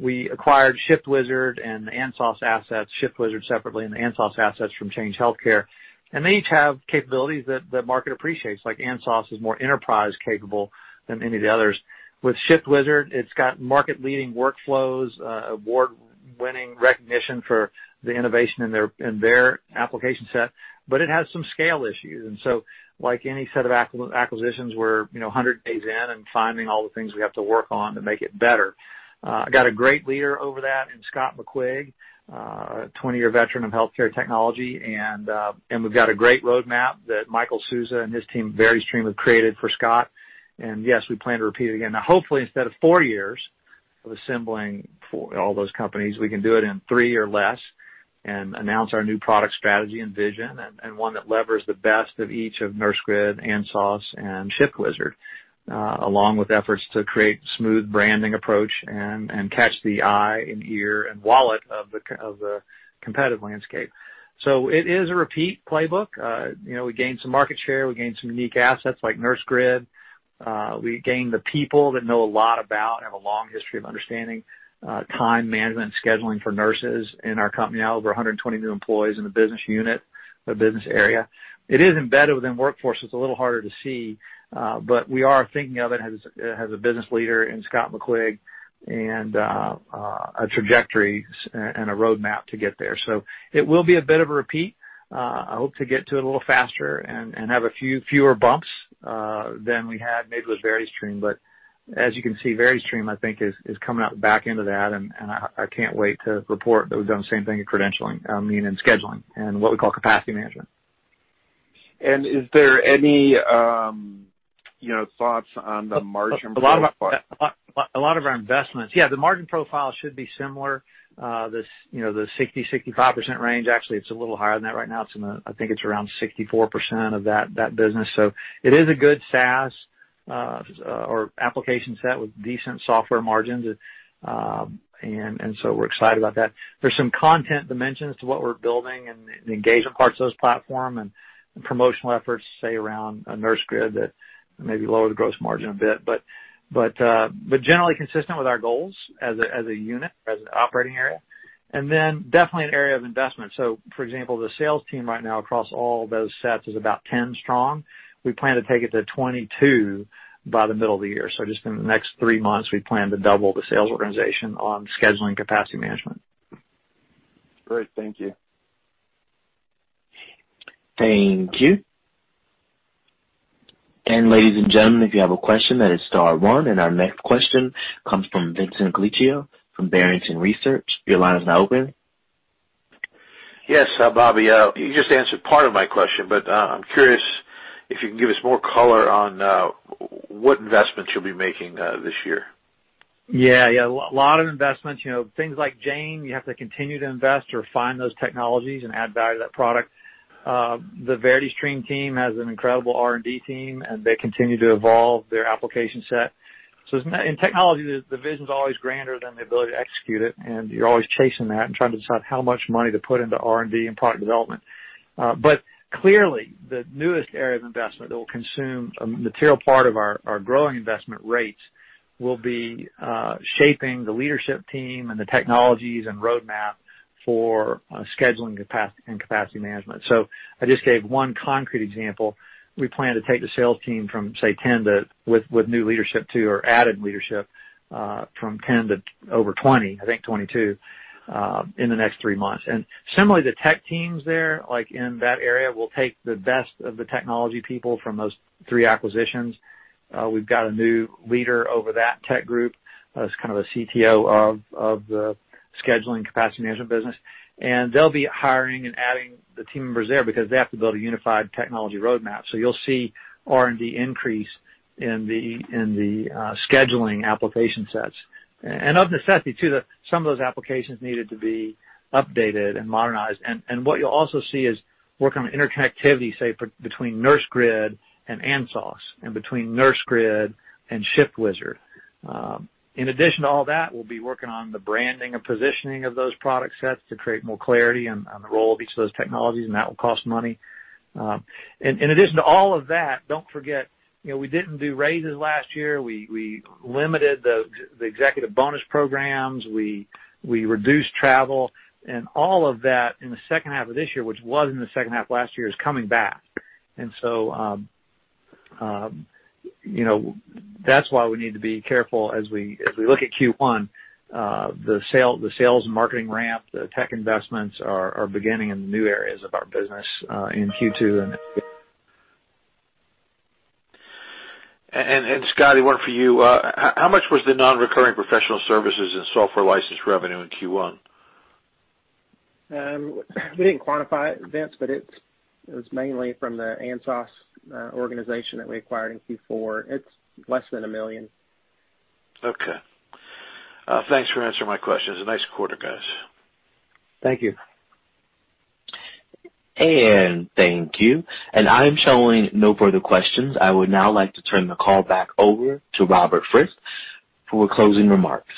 We acquired ShiftWizard and ANSOS assets, ShiftWizard separately and the ANSOS assets from Change Healthcare. They each have capabilities that the market appreciates, like ANSOS is more enterprise capable than any of the others. With ShiftWizard, it's got market-leading workflows, award-winning recognition for the innovation in their application set, but it has some scale issues, and like any set of acquisitions, we're 100 days in and finding all the things we have to work on to make it better. I got a great leader over that in Scott McQuigg, a 20-year veteran of healthcare technology. We've got a great roadmap that Michael Sousa and his team at VerityStream have created for Scott. Yes, we plan to repeat it again. Hopefully, instead of four years of assembling all those companies, we can do it in three or less, and announce our new product strategy and vision, and one that levers the best of each of NurseGrid, ANSOS, and ShiftWizard, along with efforts to create smooth branding approach and catch the eye and ear and wallet of the competitive landscape. It is a repeat playbook. We gained some market share. We gained some unique assets like NurseGrid. We gained the people that know a lot about and have a long history of understanding time management and scheduling for nurses in our company, now over 120 new employees in the business unit or business area. It is embedded within workforce. It's a little harder to see, but we are thinking of it as a business leader in Scott McQuigg, and a trajectory and a roadmap to get there. It will be a bit of a repeat. I hope to get to it a little faster and have a fewer bumps than we had maybe with VerityStream. As you can see, VerityStream, I think is coming out the back end of that, and I can't wait to report that we've done the same thing in credentialing, I mean in scheduling, and what we call capacity management. Is there any thoughts on the margin profile? A lot of our investments. Yeah, the margin profile should be similar. The 60%, 65% range. It's a little higher than that right now. I think it's around 64% of that business. It is a good SaaS or application set with decent software margins, and so we're excited about that. There's some content dimensions to what we're building, and the engagement parts of those platform and promotional efforts to say, around Nursegrid that maybe lower the gross margin a bit. Generally consistent with our goals as a unit, as an operating area, and then definitely an area of investment. For example, the sales team right now across all those sets is about 10 strong. We plan to take it to 22 by the middle of the year, so just in the next three months, we plan to double the sales organization on scheduling capacity management. Great. Thank you. Thank you. Ladies and gentlemen, if you have a question, that is star one, and our next question comes from Vincent Colicchio from Barrington Research. Your line is now open. Yes, Bobby, you just answered part of my question, but I'm curious if you can give us more color on what investments you'll be making this year. Yeah, a lot of investments, you know, things like Jane, you have to continue to invest to refine those technologies and add value to that product. The VerityStream team has an incredible R&D team, and they continue to evolve their application set. In technology, the vision's always grander than the ability to execute it, and you're always chasing that and trying to decide how much money to put into R&D and product development. Clearly, the newest area of investment that will consume a material part of our growing investment rates will be shaping the leadership team and the technologies and roadmap for scheduling and capacity management. I just gave one concrete example. We plan to take the sales team from, say, 10 with new leadership to or added leadership from 10 to over 20, I think 22, in the next three months. Similarly, the tech teams there, like in that area, will take the best of the technology people from those three acquisitions. We've got a new leader over that tech group as kind of a CTO of the scheduling capacity management business. They'll be hiring and adding the team members there because they have to build a unified technology roadmap. You'll see R&D increase in the scheduling application sets. Of necessity too, some of those applications needed to be updated and modernized. What you'll also see is work on interconnectivity, say, between NurseGrid and ANSOS, and between NurseGrid and ShiftWizard. In addition to all that, we'll be working on the branding and positioning of those product sets to create more clarity on the role of each of those technologies, and that will cost money. In addition to all of that, don't forget, we didn't do raises last year. We limited the executive bonus programs. We reduced travel, and all of that in the second half of this year, which was in the second half of last year, is coming back. That's why we need to be careful as we look at Q1, the sales and marketing ramp, the tech investments are beginning in the new areas of our business in Q2. Scotty, one for you. How much was the non-recurring professional services and software license revenue in Q1? We didn't quantify it, Vince, but it was mainly from the ANSOS organization that we acquired in Q4. It's less than $1 million. Okay. Thanks for answering my questions and a nice quarter, guys. Thank you. Thank you. I'm showing no further questions. I would now like to turn the call back over to Robert Frist for closing remarks.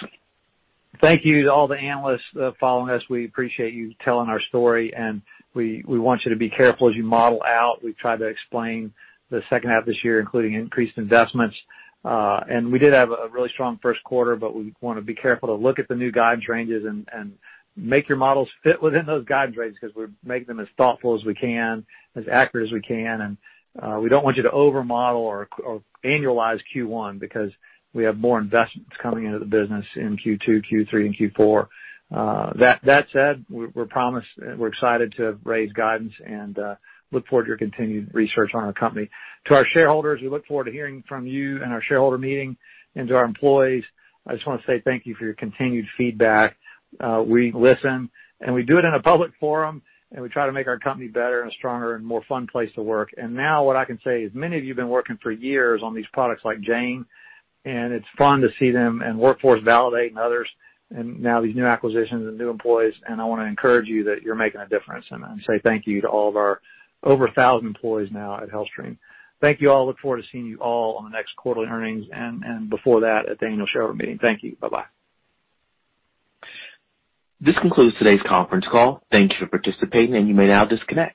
Thank you to all the analysts following us. We appreciate you telling our story and we want you to be careful as you model out. We've tried to explain the second half of this year, including increased investments. We did have a really strong first quarter. We want to be careful to look at the new guidance ranges and make your models fit within those guidance ranges because we make them as thoughtful as we can, as accurate as we can, and we don't want you to over-model or annualize Q1 because we have more investments coming into the business in Q2, Q3, and Q4. With that said, we're excited to raise guidance and look forward to your continued research on our company. To our shareholders, we look forward to hearing from you in our shareholder meeting. To our employees, I just want to say thank you for your continued feedback. We listen, and we do it in a public forum, and we try to make our company better and stronger, and a more fun place to work. Now what I can say is many of you been working for years on these products like Jane, and it's fun to see them and Workforce Validate and others, and now these new acquisitions and new employees, and I want to encourage you that you're making a difference and say thank you to all of our over 1,000 employees now at HealthStream. Thank you all. I look forward to seeing you all on the next quarterly earnings and before that at the annual shareholder meeting. Thank you. Bye-bye. This concludes today's conference call. Thank you for participating and you may now disconnect.